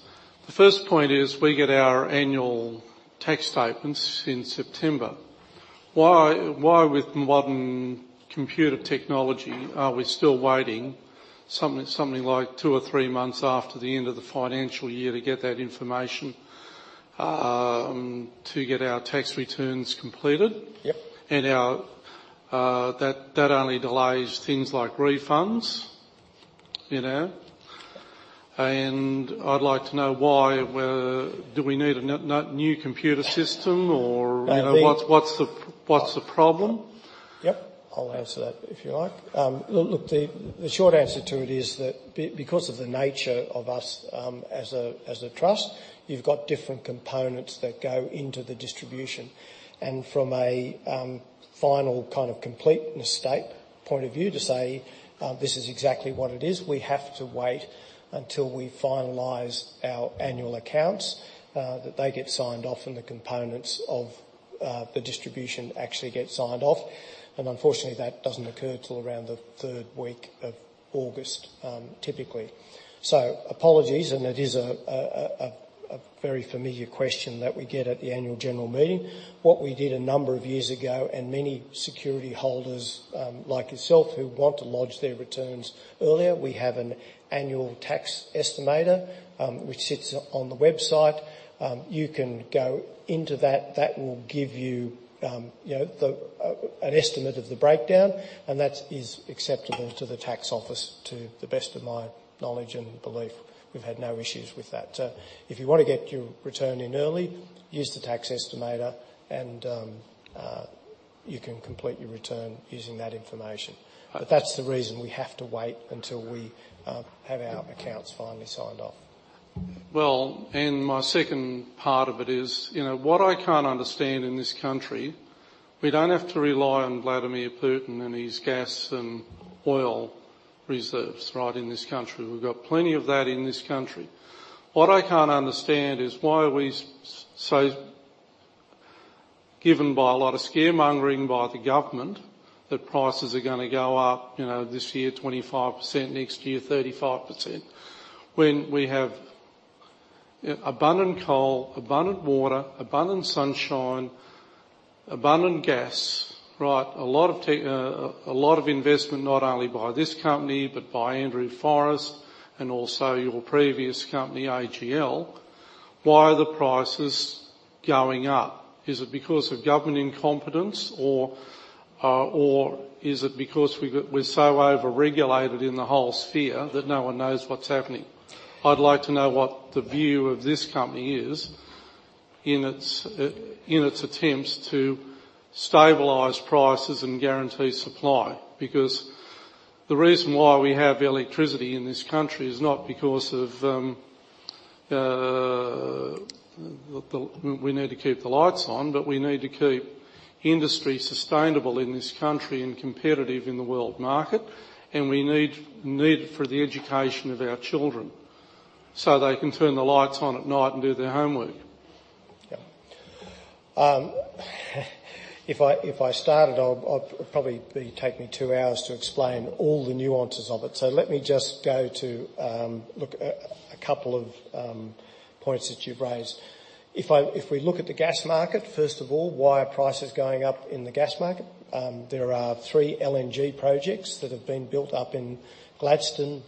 The first point is, we get our annual tax statements in September. Why with modern computer technology are we still waiting something like two or three months after the end of the financial year to get that information, to get our tax returns completed? Yep. That only delays things like refunds, you know. I'd like to know why do we need a new computer system or, you know. I think- What's the problem? Yep. I'll answer that if you like. The short answer to it is that because of the nature of us as a trust, you've got different components that go into the distribution. From a final kind of completeness standpoint to say, "This is exactly what it is," we have to wait until we finalize our annual accounts that they get signed off and the components of the distribution actually get signed off. Unfortunately, that doesn't occur till around the third week of August, typically. Apologies, and it is a very familiar question that we get at the annual general meeting. What we did a number of years ago, and many security holders, like yourself who want to lodge their returns earlier, we have an annual tax estimator, which sits on the website. You can go into that. That will give you know, an estimate of the breakdown, and that is acceptable to the tax office to the best of my knowledge and belief. We've had no issues with that. If you wanna get your return in early, use the tax estimator and you can complete your return using that information. All right. That's the reason we have to wait until we have our accounts finally signed off. Well, my second part of it is, you know, what I can't understand in this country, we don't have to rely on Vladimir Putin and his gas and oil reserves, right, in this country. We've got plenty of that in this country. What I can't understand is why are we so swayed by a lot of scaremongering by the government that prices are gonna go up, you know, this year 25%, next year 35%, when we have abundant coal, abundant water, abundant sunshine, abundant gas, right? A lot of investment, not only by this company, but by Andrew Forrest and also your previous company, AGL. Why are the prices going up? Is it because of government incompetence or is it because we're so over-regulated in the whole sphere that no one knows what's happening? I'd like to know what the view of this company is in its attempts to stabilize prices and guarantee supply. Because the reason why we have electricity in this country is not because of we need to keep the lights on, but we need to keep industry sustainable in this country and competitive in the world market, and we need it for the education of our children, so they can turn the lights on at night and do their homework. Yeah. If I started, I'll probably be taking two hours to explain all the nuances of it. Let me just go to look at a couple of points that you've raised. If we look at the gas market, first of all, why are prices going up in the gas market? There are three LNG projects that have been built up in Gladstone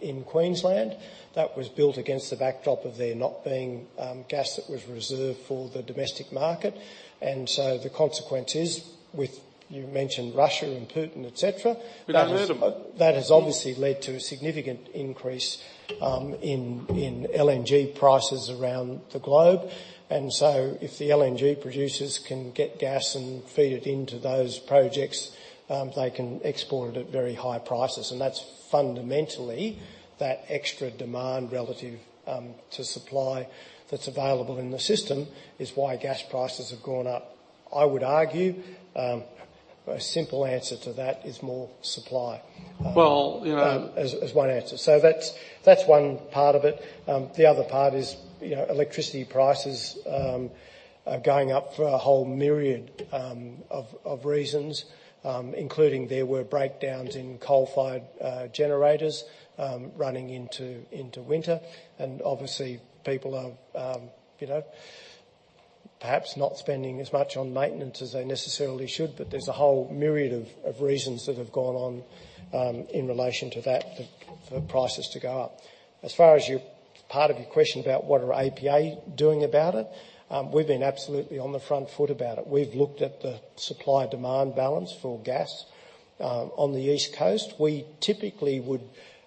in Queensland. That was built against the backdrop of there not being gas that was reserved for the domestic market. The consequence is with you mentioned Russia and Putin, et cetera. We don't need them. That has obviously led to a significant increase in LNG prices around the globe. If the LNG producers can get gas and feed it into those projects, they can export it at very high prices. That's fundamentally that extra demand relative to supply that's available in the system is why gas prices have gone up. I would argue a simple answer to that is more supply. Well, you know. As one answer. That's one part of it. The other part is, you know, electricity prices are going up for a whole myriad of reasons, including there were breakdowns in coal-fired generators running into winter. Obviously, people are, you know, perhaps not spending as much on maintenance as they necessarily should. There's a whole myriad of reasons that have gone on in relation to that for prices to go up. As far as your part of your question about what are APA doing about it, we've been absolutely on the front foot about it. We've looked at the supply-demand balance for gas on the East Coast. We typically would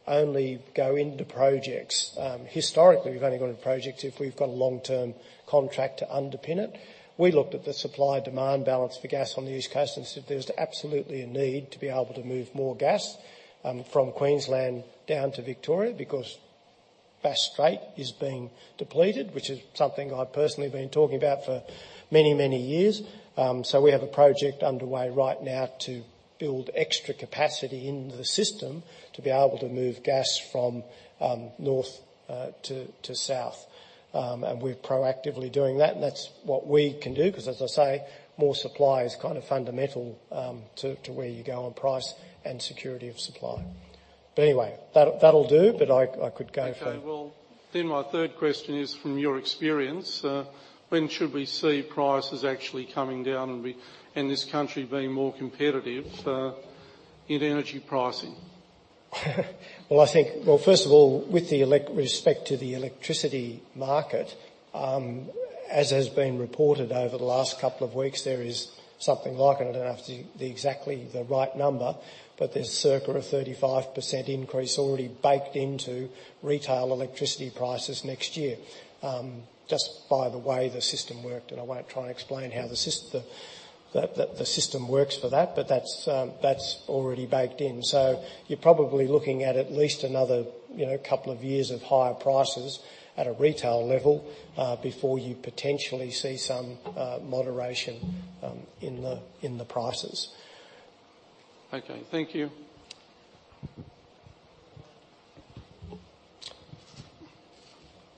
only go into projects, historically, we've only gone to projects if we've got a long-term contract to underpin it. We looked at the supply-demand balance for gas on the East Coast and said there's absolutely a need to be able to move more gas from Queensland down to Victoria because Bass Strait is being depleted, which is something I've personally been talking about for many, many years. We have a project underway right now to build extra capacity into the system to be able to move gas from north to south. We're proactively doing that, and that's what we can do because as I say, more supply is kind of fundamental to where you go on price and security of supply. Anyway, that'll do, but I could go for. Okay. Well, my third question is, from your experience, when should we see prices actually coming down and this country being more competitive in energy pricing? Well, first of all, with respect to the electricity market, as has been reported over the last couple of weeks, there is something like, and I don't have exactly the right number, but there's circa a 35% increase already baked into retail electricity prices next year. Just by the way the system worked, and I won't try and explain how the system works for that, but that's already baked in. You're probably looking at least another, you know, couple of years of higher prices at a retail level, before you potentially see some moderation in the prices. Okay. Thank you.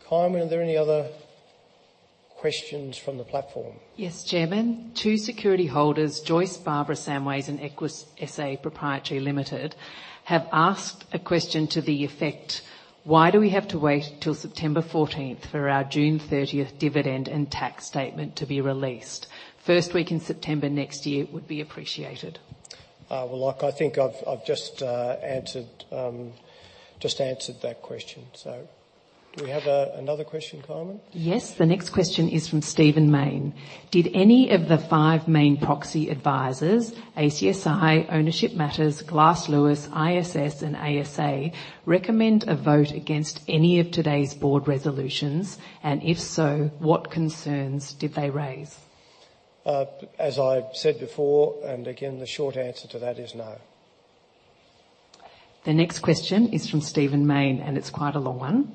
Kynwynn Strong, are there any other questions from the platform? Yes, Chairman. Two security holders, Joyce Barbara Samways and Equus SA, have asked a question to the effect: Why do we have to wait till September fourteenth for our June 30th dividend and tax statement to be released? First week in September next year would be appreciated. Well, like I think I've just answered that question. Do we have another question, Kynwynn Strong? Yes. The next question is from Steven Main. Did any of the five main proxy advisors, ACSI, Ownership Matters, Glass Lewis, ISS, and ASA, recommend a vote against any of today's board resolutions? And if so, what concerns did they raise? As I've said before, and again, the short answer to that is no. The next question is from Stephen Mayne, and it's quite a long one.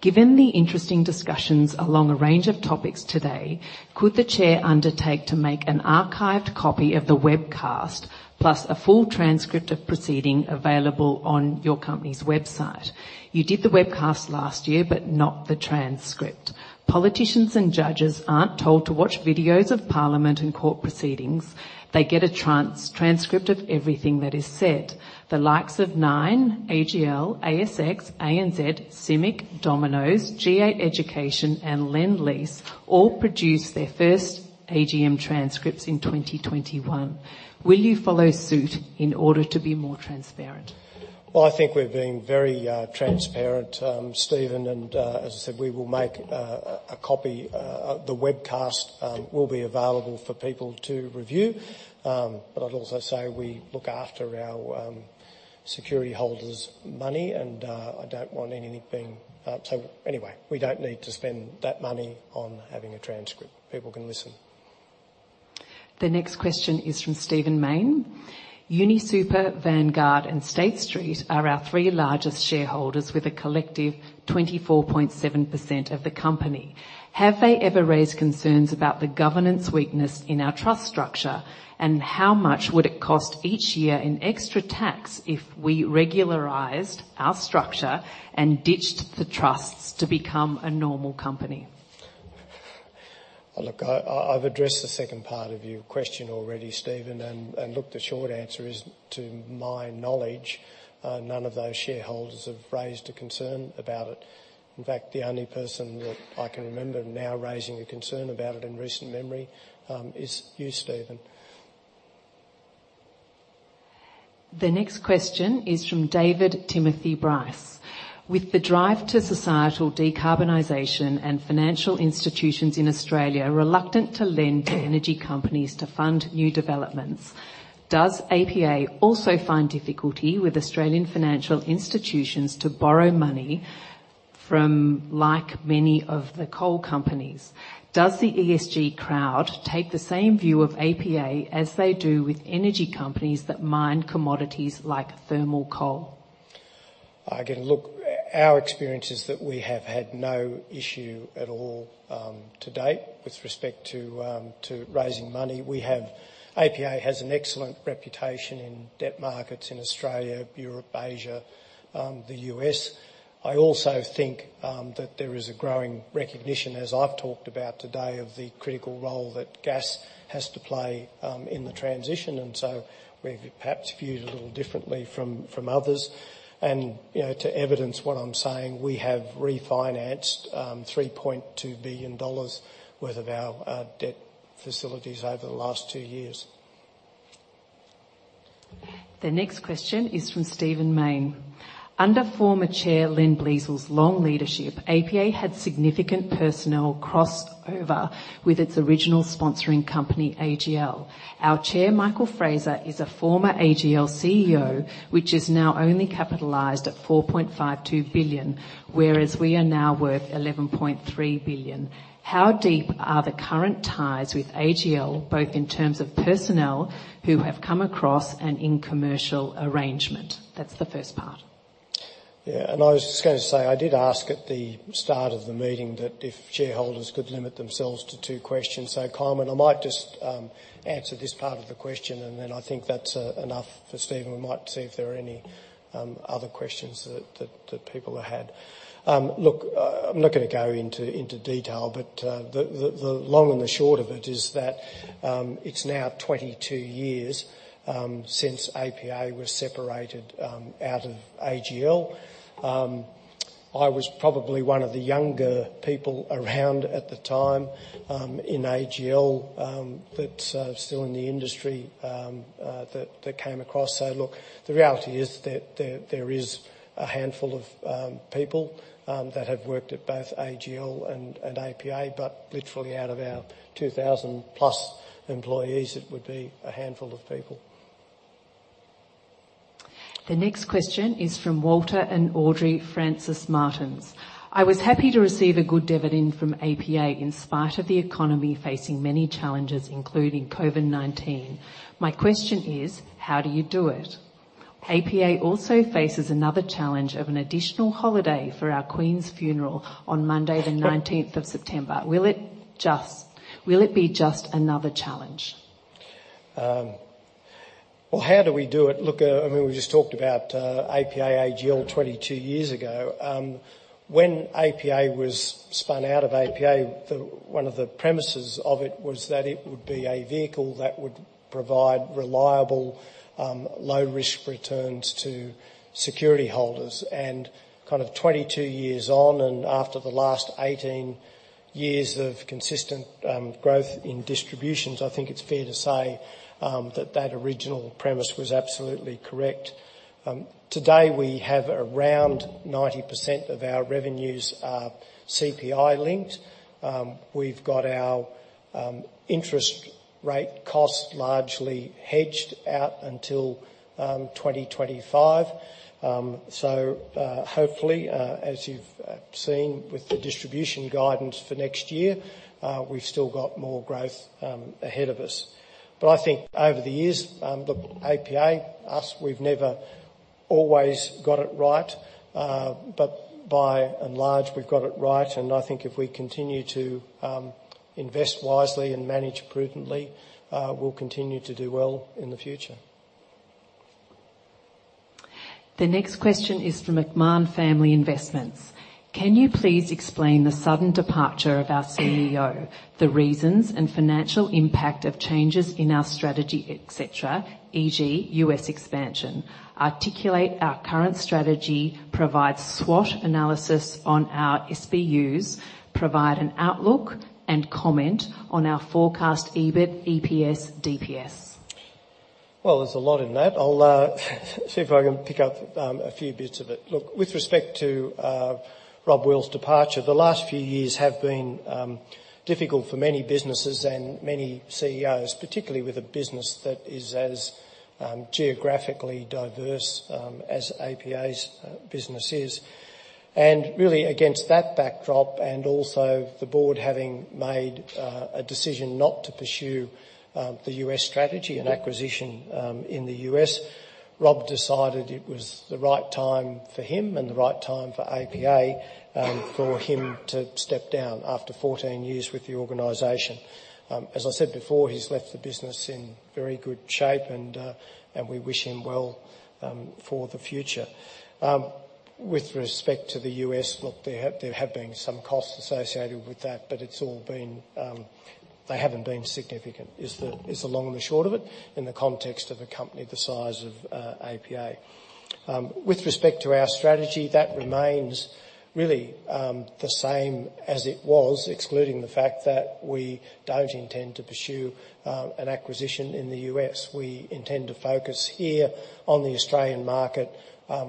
Given the interesting discussions along a range of topics today, could the chair undertake to make an archived copy of the webcast, plus a full transcript of proceedings available on your company's website? You did the webcast last year, but not the transcript. Politicians and judges aren't told to watch videos of parliament and court proceedings. They get a transcript of everything that is said. The likes of Nine, AGL, ASX, ANZ, CIMIC, Domino's, IDP Education, and Lendlease all produced their first AGM transcripts in 2021. Will you follow suit in order to be more transparent? I think we're being very transparent, Stephen, and as I said, we will make a copy. The webcast will be available for people to review. I'd also say we look after our security holders' money and I don't want anything, so anyway, we don't need to spend that money on having a transcript. People can listen. The next question is from Steven Main. UniSuper, Vanguard, and State Street are our three largest shareholders with a collective 24.7% of the company. Have they ever raised concerns about the governance weakness in our trust structure? How much would it cost each year in extra tax if we regularized our structure and ditched the trusts to become a normal company? Look, I've addressed the second part of your question already, Stephen. Look, the short answer is, to my knowledge, none of those shareholders have raised a concern about it. In fact, the only person that I can remember now raising a concern about it in recent memory, is you, Stephen. The next question is from David Timothy Bryce. With the drive to societal decarbonization and financial institutions in Australia reluctant to lend to energy companies to fund new developments, does APA also find difficulty with Australian financial institutions to borrow money from like many of the coal companies? Does the ESG crowd take the same view of APA as they do with energy companies that mine commodities like thermal coal? Again, look, our experience is that we have had no issue at all, to date with respect to raising money. APA has an excellent reputation in debt markets in Australia, Europe, Asia, the US. I also think that there is a growing recognition, as I've talked about today, of the critical role that gas has to play in the transition, and so we're perhaps viewed a little differently from others. You know, to evidence what I'm saying, we have refinanced 3.2 billion dollars worth of our debt facilities over the last two years. The next question is from Steven Main. Under former chair Len Bleasel's long leadership, APA had significant personnel crossover with its original sponsoring company, AGL. Our Chair, Michael Fraser, is a former AGL CEO, which is now only capitalized at 4.52 billion, whereas we are now worth 11.3 billion. How deep are the current ties with AGL, both in terms of personnel who have come across and in commercial arrangement? That's the first part. Yeah, I was just gonna say, I did ask at the start of the meeting that if shareholders could limit themselves to two questions. Kynwynn Strong, I might just answer this part of the question, and then I think that's enough for Stephen Mayne. We might see if there are any other questions that people had. Look, I'm not gonna go into detail, but the long and the short of it is that it's now 22 years since APA was separated out of AGL. I was probably one of the younger people around at the time in AGL that's still in the industry that came across. Look, the reality is that there is a handful of people that have worked at both AGL and APA, but literally out of our 2,000-plus employees, it would be a handful of people. The next question is from Walter and Audrey Francis Martins. I was happy to receive a good dividend from APA in spite of the economy facing many challenges, including COVID-19. My question is, how do you do it? APA also faces another challenge of an additional holiday for our Queen's funeral on Monday the nineteenth of September. Will it be just another challenge? Well, how do we do it? Look, I mean, we just talked about APA, AGL 22 years ago. When APA was spun out of AGL, one of the premises of it was that it would be a vehicle that would provide reliable, low risk returns to security holders. Kind of 22 years on, and after the last 18 years of consistent growth in distributions, I think it's fair to say that that original premise was absolutely correct. Today, we have around 90% of our revenues are CPI linked. We've got our interest rate cost largely hedged out until 2025. Hopefully, as you've seen with the distribution guidance for next year, we've still got more growth ahead of us. I think over the years, the APA, us, we've never always got it right, but by and large, we've got it right. I think if we continue to invest wisely and manage prudently, we'll continue to do well in the future. The next question is from McMahon Family Investments. Can you please explain the sudden departure of our CEO, the reasons and financial impact of changes in our strategy, et cetera, e.g. US expansion, articulate our current strategy, provide SWOT analysis on our SBUs, provide an outlook and comment on our forecast EBIT, EPS, DPS? Well, there's a lot in that. I'll see if I can pick up a few bits of it. Look, with respect to Rob Wheals' departure, the last few years have been difficult for many businesses and many CEOs, particularly with a business that is as geographically diverse as APA's business is. Really against that backdrop, and also the board having made a decision not to pursue the U.S. strategy and acquisition in the U.S., Rob decided it was the right time for him and the right time for APA for him to step down after 14 years with the organization. As I said before, he's left the business in very good shape, and we wish him well for the future. With respect to the US, look, there have been some costs associated with that, but it's all been, they haven't been significant, is the long and short of it in the context of a company the size of APA. With respect to our strategy, that remains really the same as it was, excluding the fact that we don't intend to pursue an acquisition in the U.S. We intend to focus here on the Australian market,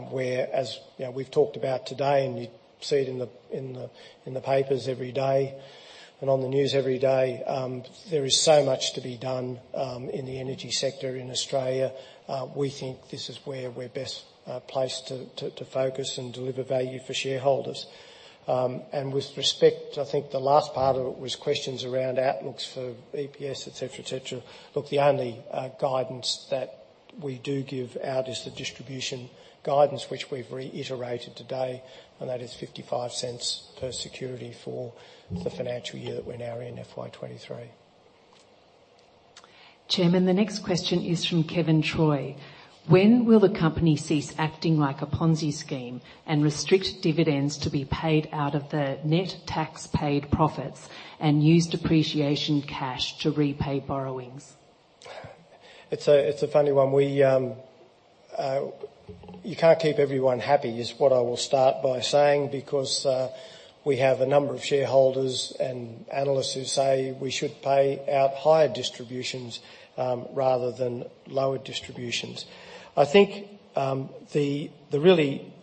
whereas, you know, we've talked about today and you see it in the papers every day and on the news every day, there is so much to be done in the energy sector in Australia. We think this is where we're best placed to focus and deliver value for shareholders. With respect, I think the last part of it was questions around outlooks for EPS, et cetera, et cetera. Look, the only guidance that we do give out is the distribution guidance, which we've reiterated today, and that is 0.55 per security for the financial year that we're now in, FY 2023. Chairman, the next question is from Kevin Troy. When will the company cease acting like a Ponzi scheme and restrict dividends to be paid out of the net tax paid profits and use depreciation cash to repay borrowings? It's a funny one. We can't keep everyone happy, is what I will start by saying, because we have a number of shareholders and analysts who say we should pay out higher distributions rather than lower distributions. I think really,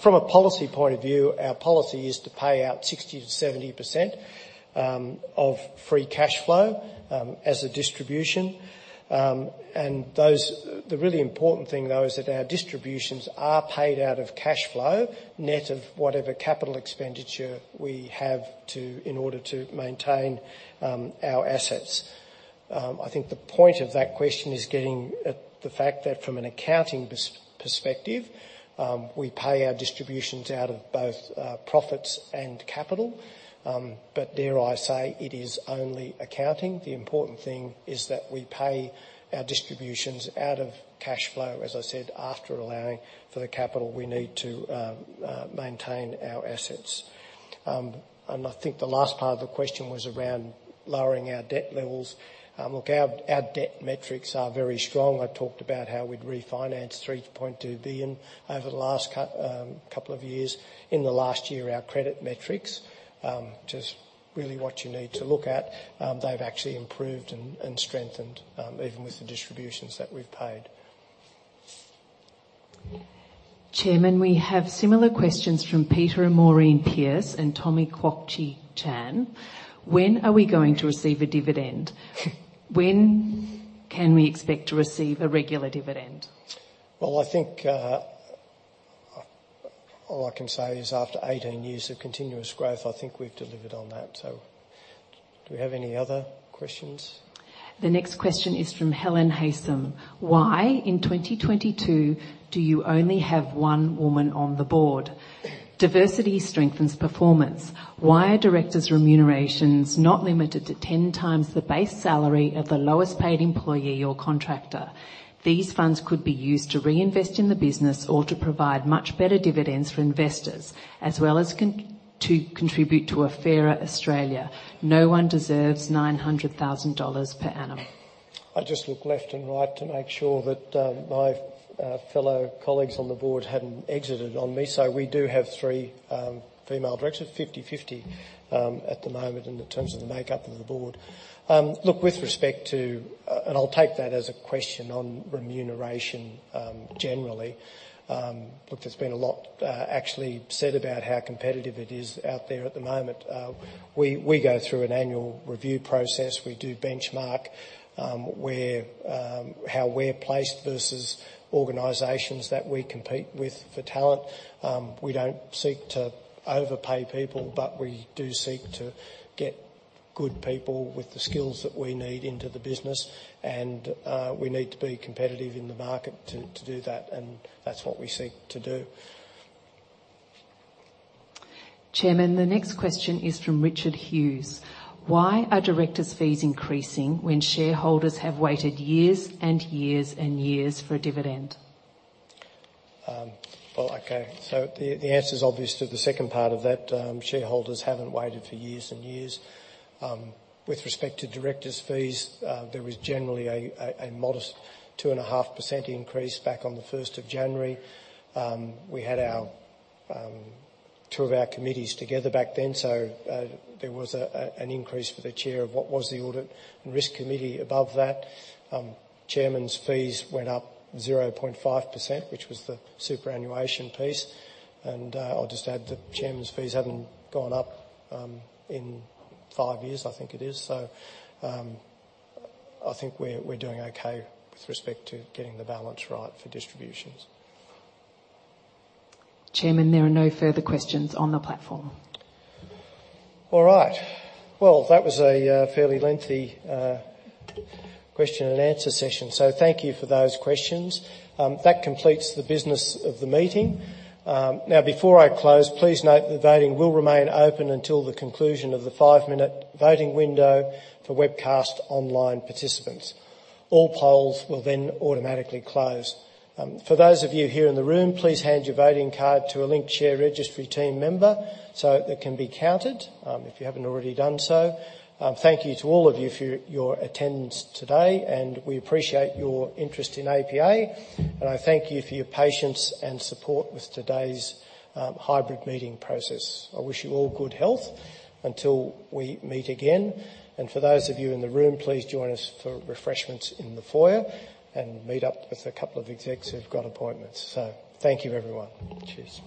from a policy point of view, our policy is to pay out 60%-70% of free cash flow as a distribution. The really important thing, though, is that our distributions are paid out of cash flow net of whatever capital expenditure we have to in order to maintain our assets. I think the point of that question is getting at the fact that from an accounting perspective, we pay our distributions out of both profits and capital. Dare I say, it is only accounting. The important thing is that we pay our distributions out of cash flow, as I said, after allowing for the capital we need to maintain our assets. I think the last part of the question was around lowering our debt levels. Look, our debt metrics are very strong. I talked about how we'd refinance 3.2 billion over the last couple of years. In the last year, our credit metrics just really what you need to look at, they've actually improved and strengthened, even with the distributions that we've paid. Chairman, we have similar questions from Peter and Maureen Pierce and Tommy Kwok-chi Chan. When are we going to receive a dividend? When can we expect to receive a regular dividend? Well, I think, all I can say is after 18 years of continuous growth, I think we've delivered on that. Do we have any other questions? The next question is from Helen Haysom. Why, in 2022, do you only have one woman on the board? Diversity strengthens performance. Why are directors' remunerations not limited to 10 times the base salary of the lowest paid employee or contractor? These funds could be used to reinvest in the business or to provide much better dividends for investors, as well as to contribute to a fairer Australia. No one deserves 900,000 dollars per annum. I just looked left and right to make sure that my fellow colleagues on the board hadn't exited on me. We do have three female directors, 50/50, at the moment in terms of the makeup of the board. I'll take that as a question on remuneration, generally. There's been a lot, actually, said about how competitive it is out there at the moment. We go through an annual review process. We do benchmark where how we're placed versus organizations that we compete with for talent. We don't seek to overpay people, but we do seek to get good people with the skills that we need into the business, and we need to be competitive in the market to do that, and that's what we seek to do. Chairman, the next question is from Richard Hughes. Why are directors' fees increasing when shareholders have waited years and years and years for a dividend? Well, okay. The answer is obvious to the second part of that. Shareholders haven't waited for years and years. With respect to directors' fees, there was generally a modest 2.5% increase back on the first of January. We had our two of our committees together back then, so there was an increase for the chair of what was the Audit and Risk Committee above that. Chairman's fees went up 0.5%, which was the superannuation piece. I'll just add the chairman's fees haven't gone up in five years, I think it is. I think we're doing okay with respect to getting the balance right for distributions. Chairman, there are no further questions on the platform. All right. Well, that was a fairly lengthy question and answer session, so thank you for those questions. That completes the business of the meeting. Now, before I close, please note the voting will remain open until the conclusion of the five-minute voting window for webcast online participants. All polls will then automatically close. For those of you here in the room, please hand your voting card to a Link Market Services team member so that it can be counted, if you haven't already done so. Thank you to all of you for your attendance today, and we appreciate your interest in APA. I thank you for your patience and support with today's hybrid meeting process. I wish you all good health until we meet again. For those of you in the room, please join us for refreshments in the foyer and meet up with a couple of execs who've got appointments. Thank you, everyone. Cheers.